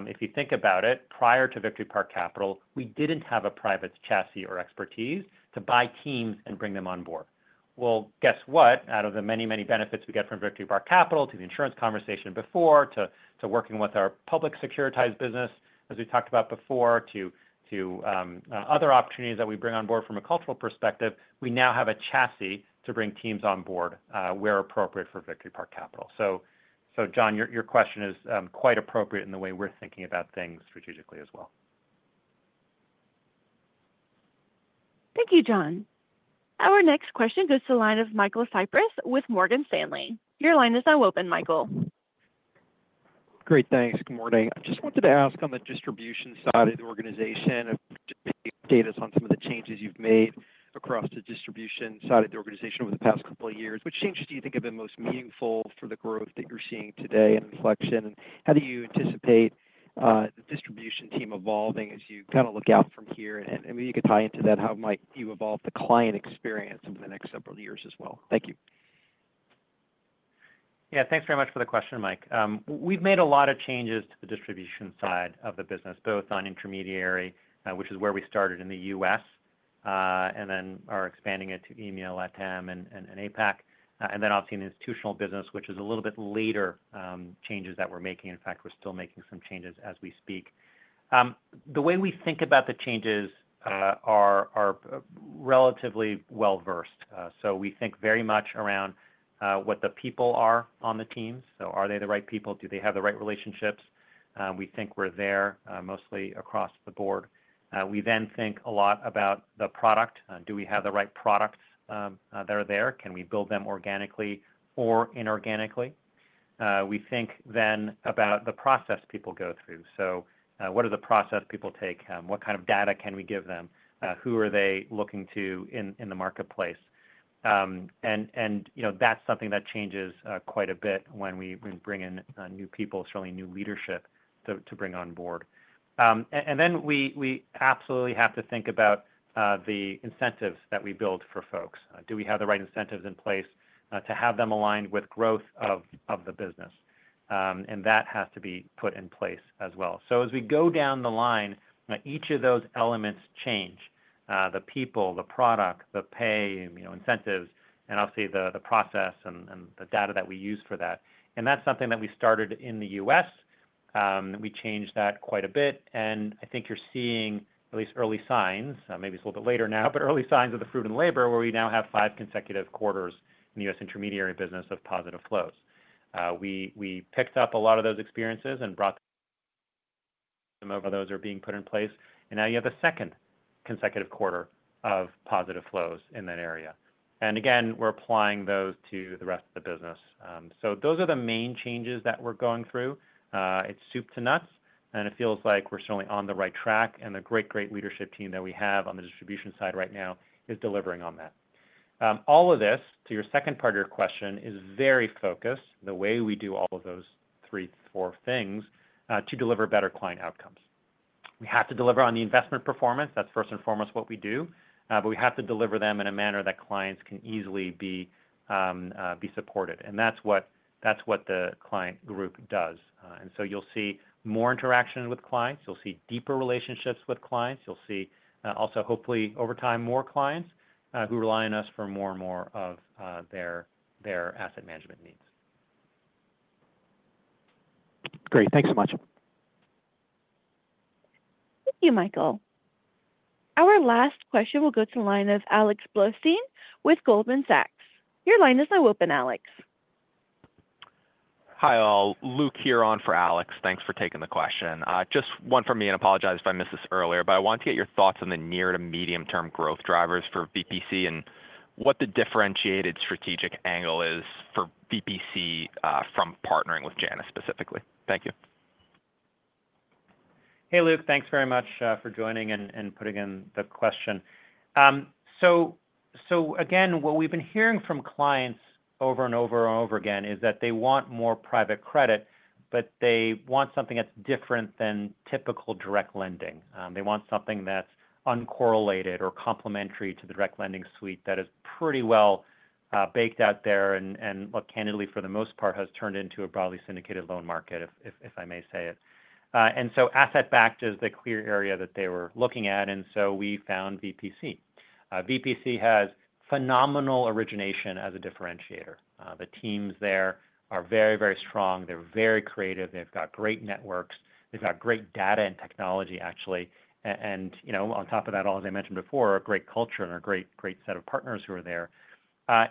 If you think about it, prior to Victory Park Capital, we didn't have a private chassis or expertise to buy teams and bring them on board. Well, guess what? Out of the many, many benefits we get from Victory Park Capital to the insurance conversation before, to working with our public securitized business, as we talked about before, to other opportunities that we bring on board from a cultural perspective, we now have a chassis to bring teams on board where appropriate for Victory Park Capital. So John, your question is quite appropriate in the way we're thinking about things strategically as well. Thank you, John. Our next question goes to the line of Michael Cyprys with Morgan Stanley. Your line is now open, Michael. Great. Thanks. Good morning. I just wanted to ask on the distribution side of the organization, just to get your status on some of the changes you've made across the distribution side of the organization over the past couple of years. Which changes do you think have been most meaningful for the growth that you're seeing today and inflection? And how do you anticipate the distribution team evolving as you kind of look out from here? And maybe you could tie into that how might you evolve the client experience over the next several years as well. Thank you. Yeah. Thanks very much for the question, Mike. We've made a lot of changes to the distribution side of the business, both on intermediary, which is where we started in the U.S., and then are expanding it to EMEA, LATAM, and APAC. And then obviously in institutional business, which is a little bit later changes that we're making. In fact, we're still making some changes as we speak. The way we think about the changes are relatively well-versed. So we think very much around what the people are on the teams. So are they the right people? Do they have the right relationships? We think we're there mostly across the board. We then think a lot about the product. Do we have the right products that are there? Can we build them organically or inorganically? We think then about the process people go through. So what are the process people take? What kind of data can we give them? Who are they looking to in the marketplace? And that's something that changes quite a bit when we bring in new people, certainly new leadership to bring on board. And then we absolutely have to think about the incentives that we build for folks. Do we have the right incentives in place to have them aligned with growth of the business? And that has to be put in place as well. So as we go down the line, each of those elements change: the people, the product, the pay, incentives, and obviously the process and the data that we use for that. And that's something that we started in the U.S. We changed that quite a bit. And I think you're seeing at least early signs, maybe it's a little bit later now, but early signs of the fruit and labor where we now have five consecutive quarters in the U.S. intermediary business of positive flows. We picked up a lot of those experiences and brought some of those are being put in place. And now you have the second consecutive quarter of positive flows in that area. And again, we're applying those to the rest of the business. So those are the main changes that we're going through. It's soup to nuts. And it feels like we're certainly on the right track. And the great, great leadership team that we have on the distribution side right now is delivering on that. All of this, to your second part of your question, is very focused the way we do all of those three, four things to deliver better client outcomes. We have to deliver on the investment performance. That's first and foremost what we do. But we have to deliver them in a manner that clients can easily be supported. And that's what the client group does. And so you'll see more interaction with clients. You'll see deeper relationships with clients. You'll see also, hopefully, over time, more clients who rely on us for more and more of their asset management needs. Great. Thanks so much. Thank you, Michael. Our last question will go to the line of Alex Blostein with Goldman Sachs. Your line is now open, Alex. Hi, all. Luke here on for Alex. Thanks for taking the question. Just one from me. I apologize if I missed this earlier, but I want to get your thoughts on the near to medium-term growth drivers for VPC and what the differentiated strategic angle is for VPC from partnering with Janus specifically. Thank you. Hey, Luke. Thanks very much for joining and putting in the question. So again, what we've been hearing from clients over and over and over again is that they want more private credit, but they want something that's different than typical direct lending. They want something that's uncorrelated or complementary to the direct lending suite that is pretty well baked out there and, candidly, for the most part, has turned into a broadly syndicated loan market, if I may say it. And so asset-backed is the clear area that they were looking at. And so we found VPC. VPC has phenomenal origination as a differentiator. The teams there are very, very strong. They're very creative. They've got great networks. They've got great data and technology, actually. And on top of that, all as I mentioned before, a great culture and a great set of partners who are there.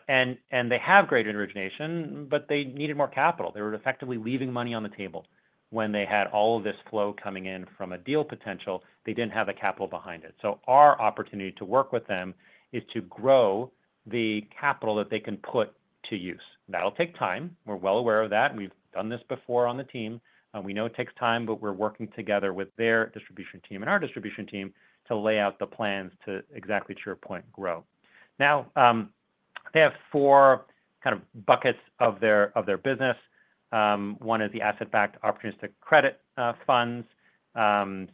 And they have great origination, but they needed more capital. They were effectively leaving money on the table when they had all of this flow coming in from a deal potential. They didn't have the capital behind it. So our opportunity to work with them is to grow the capital that they can put to use. That'll take time. We're well aware of that. We've done this before on the team. We know it takes time, but we're working together with their distribution team and our distribution team to lay out the plans to, exactly to your point, grow. Now, they have four kind of buckets of their business. One is the asset-backed opportunistic credit funds.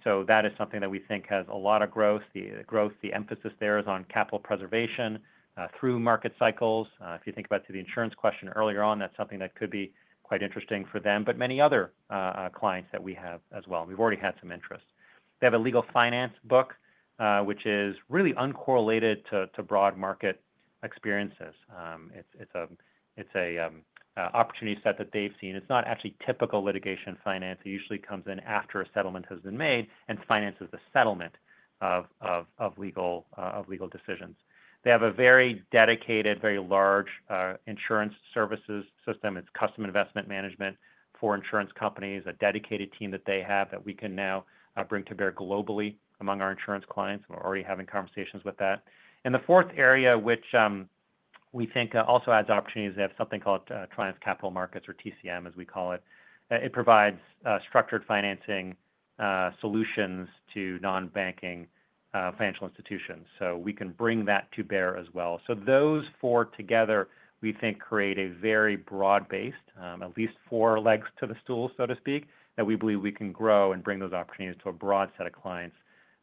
So that is something that we think has a lot of growth. The emphasis there is on capital preservation through market cycles. If you think about the insurance question earlier on, that's something that could be quite interesting for them, but many other clients that we have as well. We've already had some interest. They have a legal finance book, which is really uncorrelated to broad market experiences. It's an opportunity set that they've seen. It's not actually typical litigation finance. It usually comes in after a settlement has been made and finances the settlement of legal decisions. They have a very dedicated, very large insurance services system. It's custom investment management for insurance companies, a dedicated team that they have that we can now bring to bear globally among our insurance clients. We're already having conversations with that. And the fourth area, which we think also adds opportunities, they have something called Triumph Capital Markets or TCM, as we call it. It provides structured financing solutions to non-banking financial institutions. So we can bring that to bear as well. So those four together, we think, create a very broad-based, at least four legs to the stool, so to speak, that we believe we can grow and bring those opportunities to a broad set of clients,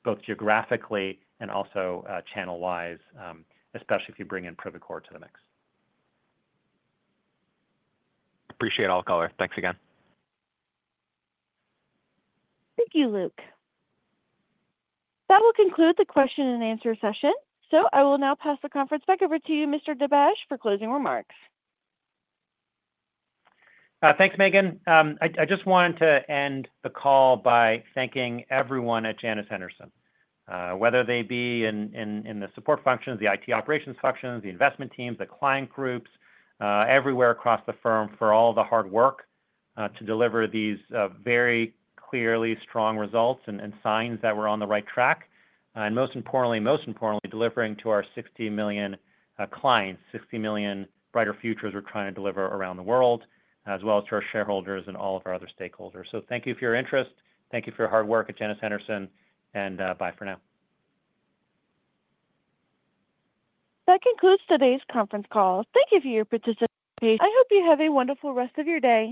both geographically and also channel-wise, especially if you bring in Privacore to the mix. Appreciate all, caller. Thanks again. Thank you, Luke. That will conclude the question and answer session. So I will now pass the conference back over to you, Mr. Dibadj, for closing remarks. Thanks, Megan. I just wanted to end the call by thanking everyone at Janus Henderson, whether they be in the support functions, the IT operations functions, the investment teams, the client groups, everywhere across the firm for all the hard work to deliver these very clearly strong results and signs that we're on the right track. And most importantly, most importantly, delivering to our 60 million clients, 60 million brighter futures we're trying to deliver around the world, as well as to our shareholders and all of our other stakeholders. So thank you for your interest. Thank you for your hard work at Janus Henderson. And bye for now. That concludes today's conference call. Thank you for your participation. I hope you have a wonderful rest of your day.